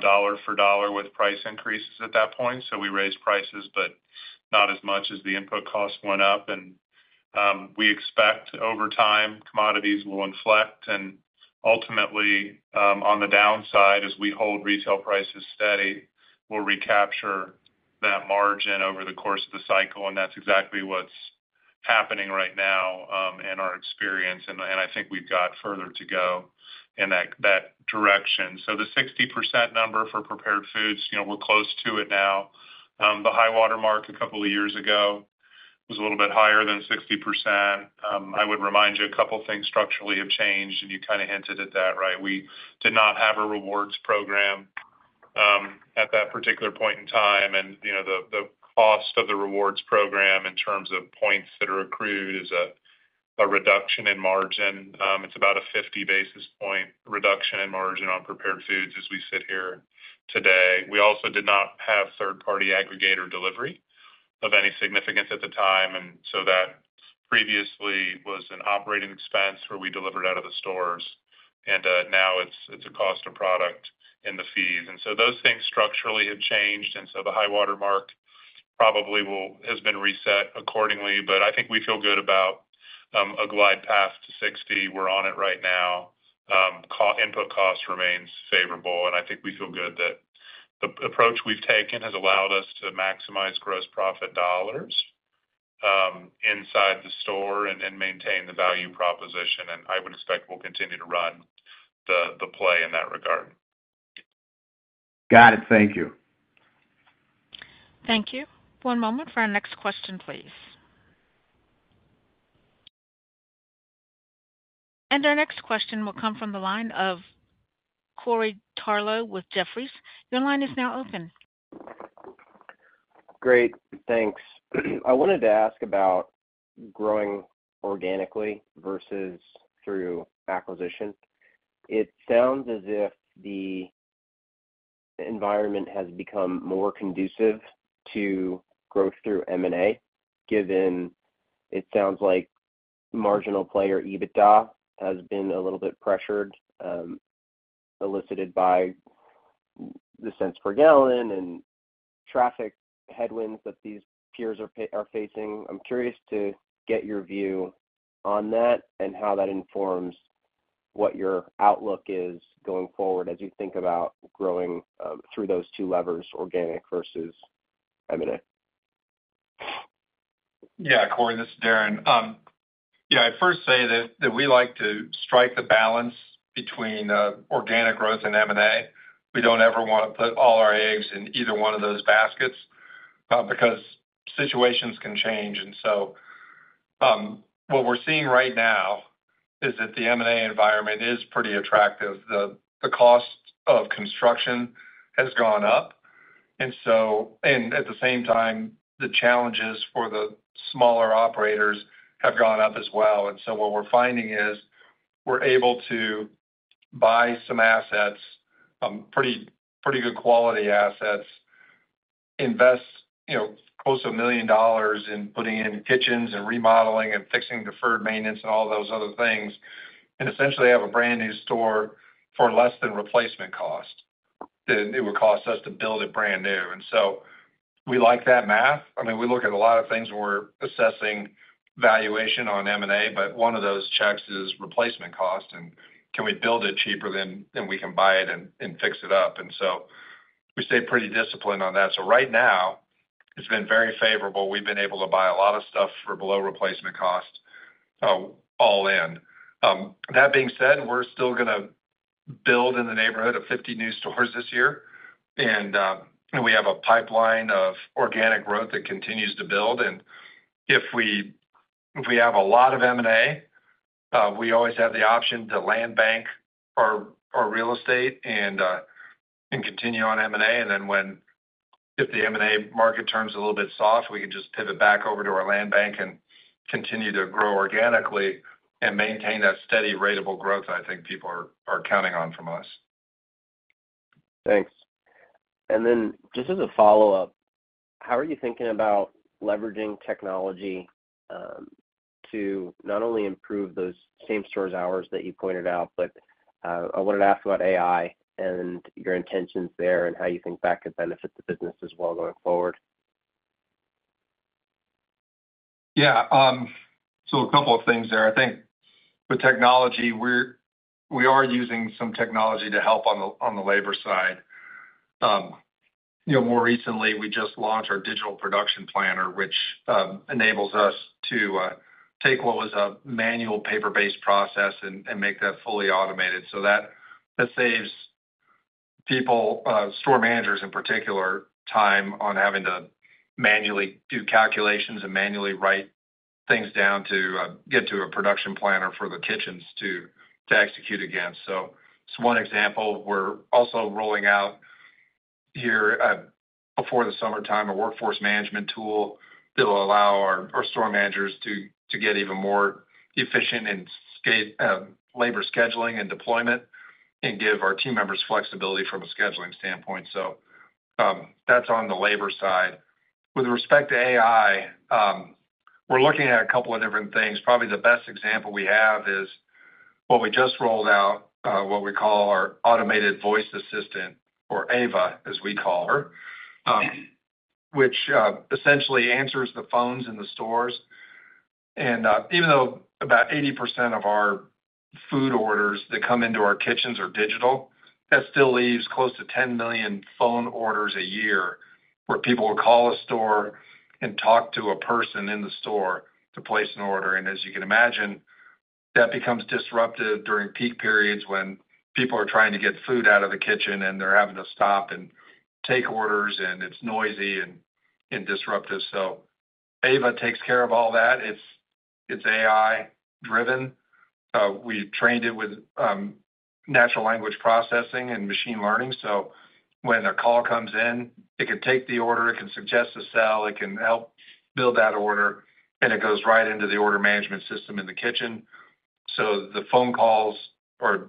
dollar for dollar with price increases at that point. So we raised prices, but not as much as the input costs went up. We expect over time, commodities will inflect. Ultimately, on the downside, as we hold retail prices steady, we'll recapture that margin over the course of the cycle. That's exactly what's happening right now in our experience. I think we've got further to go in that direction. So the 60% number for prepared foods, we're close to it now. The high watermark a couple of years ago was a little bit higher than 60%. I would remind you, a couple of things structurally have changed, and you kind of hinted at that, right? We did not have a rewards program at that particular point in time. The cost of the rewards program in terms of points that are accrued is a reduction in margin. It's about a 50 basis point reduction in margin on prepared foods as we sit here today. We also did not have third-party aggregator delivery of any significance at the time. So that previously was an operating expense where we delivered out of the stores. Now it's a cost of product in the fees. So those things structurally have changed. So the high watermark probably has been reset accordingly. But I think we feel good about a glide path to 60. We're on it right now. Input cost remains favorable. And I think we feel good that the approach we've taken has allowed us to maximize gross profit dollars inside the store and maintain the value proposition. And I would expect we'll continue to run the play in that regard. Got it. Thank you. Thank you. One moment for our next question, please. Our next question will come from the line of Corey Tarlowe with Jefferies. Your line is now open. Great. Thanks. I wanted to ask about growing organically versus through acquisition. It sounds as if the environment has become more conducive to growth through M&A, given it sounds like marginal player EBITDA has been a little bit pressured, exacerbated by the cents per gallon and traffic headwinds that these peers are facing. I'm curious to get your view on that and how that informs what your outlook is going forward as you think about growing through those two levers, organic versus M&A. Yeah, Corey, this is Darren. Yeah, I'd first say that we like to strike the balance between organic growth and M&A. We don't ever want to put all our eggs in either one of those baskets because situations can change. And so what we're seeing right now is that the M&A environment is pretty attractive. The cost of construction has gone up. And at the same time, the challenges for the smaller operators have gone up as well. And so what we're finding is we're able to buy some assets, pretty good quality assets, invest close to $1 million in putting in kitchens and remodeling and fixing deferred maintenance and all those other things, and essentially have a brand new store for less than replacement cost than it would cost us to build it brand new. And so we like that math. I mean, we look at a lot of things when we're assessing valuation on M&A, but one of those checks is replacement cost. And can we build it cheaper than we can buy it and fix it up? And so we stay pretty disciplined on that. So right now, it's been very favorable. We've been able to buy a lot of stuff for below replacement cost all in. That being said, we're still going to build in the neighborhood of 50 new stores this year. And we have a pipeline of organic growth that continues to build. And if we have a lot of M&A, we always have the option to land bank our real estate and continue on M&A. Then if the M&A market turns a little bit soft, we can just pivot back over to our land bank and continue to grow organically and maintain that steady ratable growth that I think people are counting on from us. Thanks. And then just as a follow-up, how are you thinking about leveraging technology to not only improve those same stores hours that you pointed out, but I wanted to ask about AI and your intentions there and how you think that could benefit the business as well going forward. Yeah. So a couple of things there. I think with technology, we are using some technology to help on the labor side. More recently, we just launched our digital production planner, which enables us to take what was a manual paper-based process and make that fully automated. So that saves people, store managers in particular, time on having to manually do calculations and manually write things down to get to a production planner for the kitchens to execute against. It's one example. We're also rolling out here before the summertime a workforce management tool that will allow our store managers to get even more efficient in labor scheduling and deployment and give our team members flexibility from a scheduling standpoint. So that's on the labor side. With respect to AI, we're looking at a couple of different things. Probably the best example we have is what we just rolled out, what we call our automated voice assistant or AVA, as we call her, which essentially answers the phones in the stores. And even though about 80% of our food orders that come into our kitchens are digital, that still leaves close to 10 million phone orders a year where people will call a store and talk to a person in the store to place an order. As you can imagine, that becomes disruptive during peak periods when people are trying to get food out of the kitchen, and they're having to stop and take orders, and it's noisy and disruptive. So AVA takes care of all that. It's AI-driven. We trained it with natural language processing and machine learning. So when a call comes in, it can take the order. It can suggest a sell. It can help build that order. It goes right into the order management system in the kitchen. The phone calls are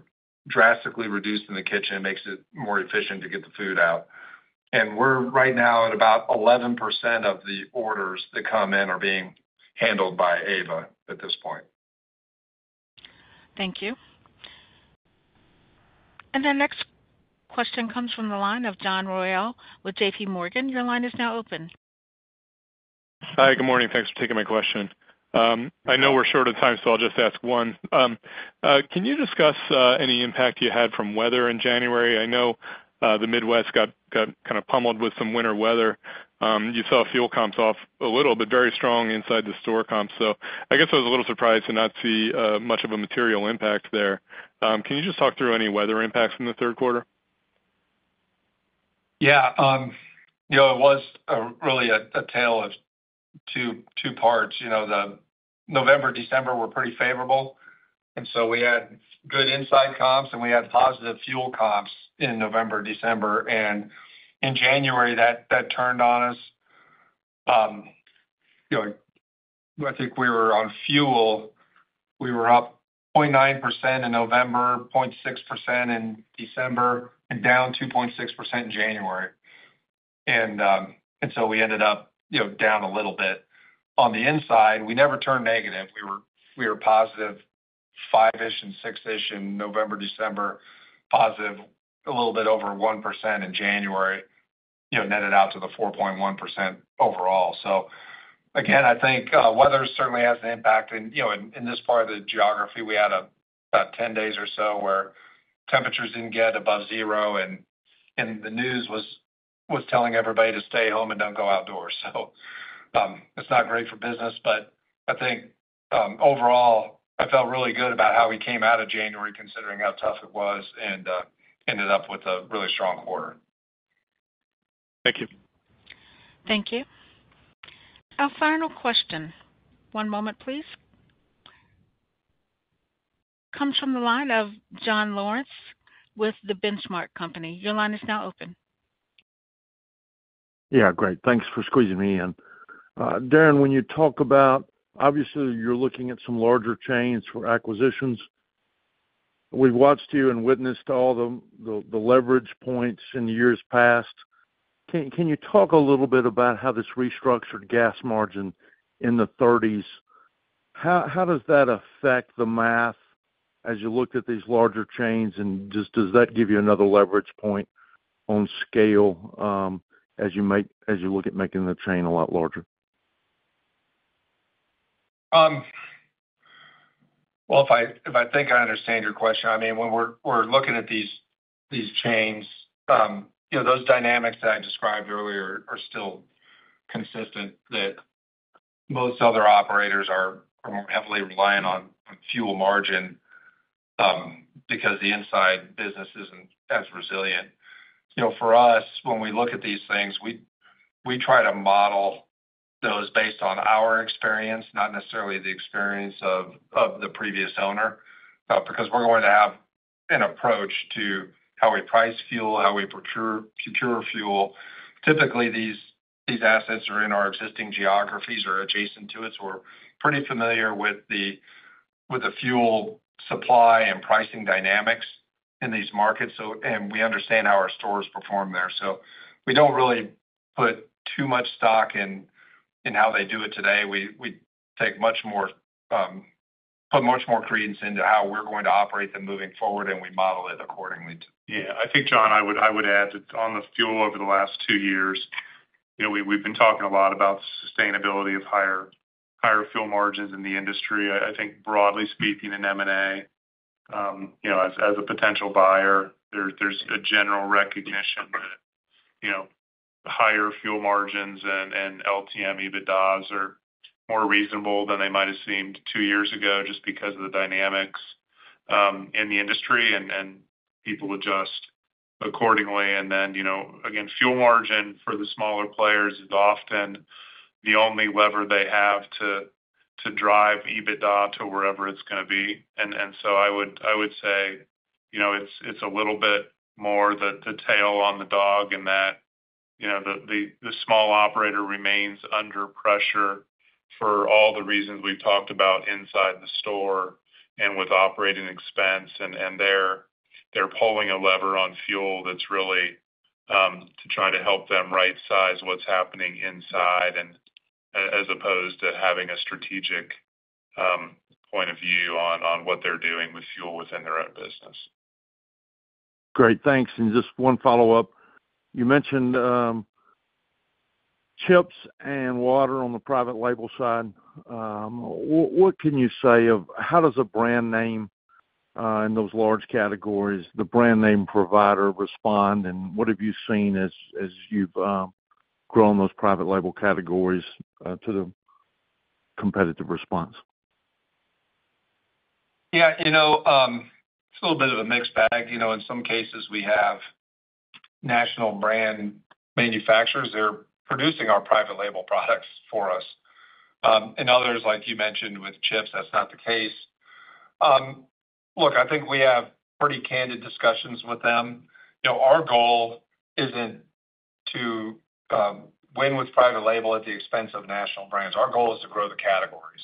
drastically reduced in the kitchen. It makes it more efficient to get the food out. We're right now at about 11% of the orders that come in are being handled by AVA at this point. Thank you. The next question comes from the line of John Royall with JP Morgan. Your line is now open. Hi. Good morning. Thanks for taking my question. I know we're short on time, so I'll just ask one. Can you discuss any impact you had from weather in January? I know the Midwest got kind of pummeled with some winter weather. You saw fuel comps off a little, but very strong inside the store comps. So I guess I was a little surprised to not see much of a material impact there. Can you just talk through any weather impacts in the third quarter? Yeah. It was really a tale of two parts. November, December were pretty favorable. And so we had good inside comps, and we had positive fuel comps in November, December. And in January, that turned on us. I think we were on fuel. We were up 0.9% in November, 0.6% in December, and down 2.6% in January. And so we ended up down a little bit. On the inside, we never turned negative. We were positive 5%-ish and 6%-ish in November, December, positive a little bit over 1% in January, netted out to the 4.1% overall. So again, I think weather certainly has an impact. And in this part of the geography, we had about 10 days or so where temperatures didn't get above zero. And the news was telling everybody to stay home and don't go outdoors. So it's not great for business. I think overall, I felt really good about how we came out of January, considering how tough it was, and ended up with a really strong quarter. Thank you. Thank you. Our final question. One moment, please. Comes from the line of John Lawrence with The Benchmark Company. Your line is now open. Yeah. Great. Thanks for squeezing me in. Darren, when you talk about obviously, you're looking at some larger chains for acquisitions. We've watched you and witnessed all the leverage points in years past. Can you talk a little bit about how this restructured gas margin in the '30s, how does that affect the math as you looked at these larger chains? And does that give you another leverage point on scale as you look at making the chain a lot larger? Well, if I think I understand your question, I mean, when we're looking at these chains, those dynamics that I described earlier are still consistent, that most other operators are more heavily reliant on fuel margin because the inside business isn't as resilient. For us, when we look at these things, we try to model those based on our experience, not necessarily the experience of the previous owner, because we're going to have an approach to how we price fuel, how we procure fuel. Typically, these assets are in our existing geographies or adjacent to it. So we're pretty familiar with the fuel supply and pricing dynamics in these markets. And we understand how our stores perform there. So we don't really put too much stock in how they do it today. We put much more credence into how we're going to operate them moving forward, and we model it accordingly to that. Yeah. I think, John, I would add that on the fuel over the last two years, we've been talking a lot about the sustainability of higher fuel margins in the industry. I think, broadly speaking, in M&A, as a potential buyer, there's a general recognition that higher fuel margins and LTM EBITDAs are more reasonable than they might have seemed two years ago just because of the dynamics in the industry, and people adjust accordingly. Then, again, fuel margin for the smaller players is often the only lever they have to drive EBITDA to wherever it's going to be. And so I would say it's a little bit more the tail on the dog in that the small operator remains under pressure for all the reasons we've talked about inside the store and with operating expense. They're pulling a lever on fuel that's really to try to help them right-size what's happening inside as opposed to having a strategic point of view on what they're doing with fuel within their own business. Great. Thanks. Just one follow-up. You mentioned chips and water on the private label side. What can you say of how does a brand name in those large categories, the brand name provider, respond? And what have you seen as you've grown those private label categories to the competitive response? Yeah. It's a little bit of a mixed bag. In some cases, we have national brand manufacturers. They're producing our private label products for us. In others, like you mentioned with chips, that's not the case. Look, I think we have pretty candid discussions with them. Our goal isn't to win with private label at the expense of national brands. Our goal is to grow the categories.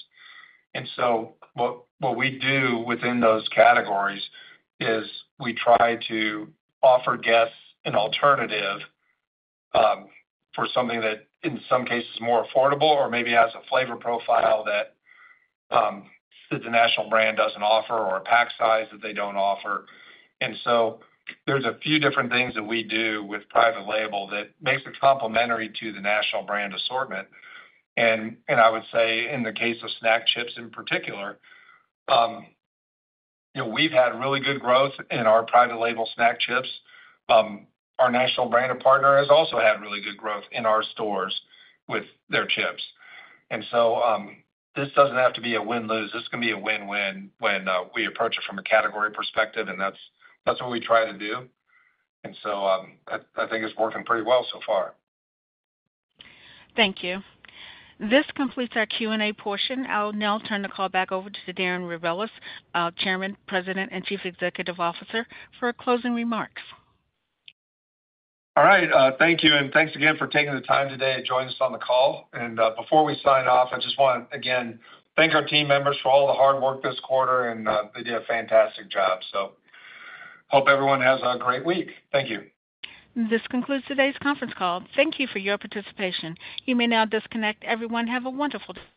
And so what we do within those categories is we try to offer guests an alternative for something that, in some cases, is more affordable or maybe has a flavor profile that the national brand doesn't offer or a pack size that they don't offer. And so there's a few different things that we do with private label that makes it complementary to the national brand assortment. I would say, in the case of snack chips in particular, we've had really good growth in our private label snack chips. Our national brand partner has also had really good growth in our stores with their chips. So this doesn't have to be a win-lose. This can be a win-win when we approach it from a category perspective. That's what we try to do. So I think it's working pretty well so far. Thank you. This completes our Q&A portion. I'll now turn the call back over to Darren Rebelez, our Chairman, President, and Chief Executive Officer, for closing remarks. All right. Thank you. Thanks again for taking the time today to join us on the call. Before we sign off, I just want to, again, thank our team members for all the hard work this quarter. They did a fantastic job. Hope everyone has a great week. Thank you. This concludes today's conference call. Thank you for your participation. You may now disconnect. Everyone have a wonderful day.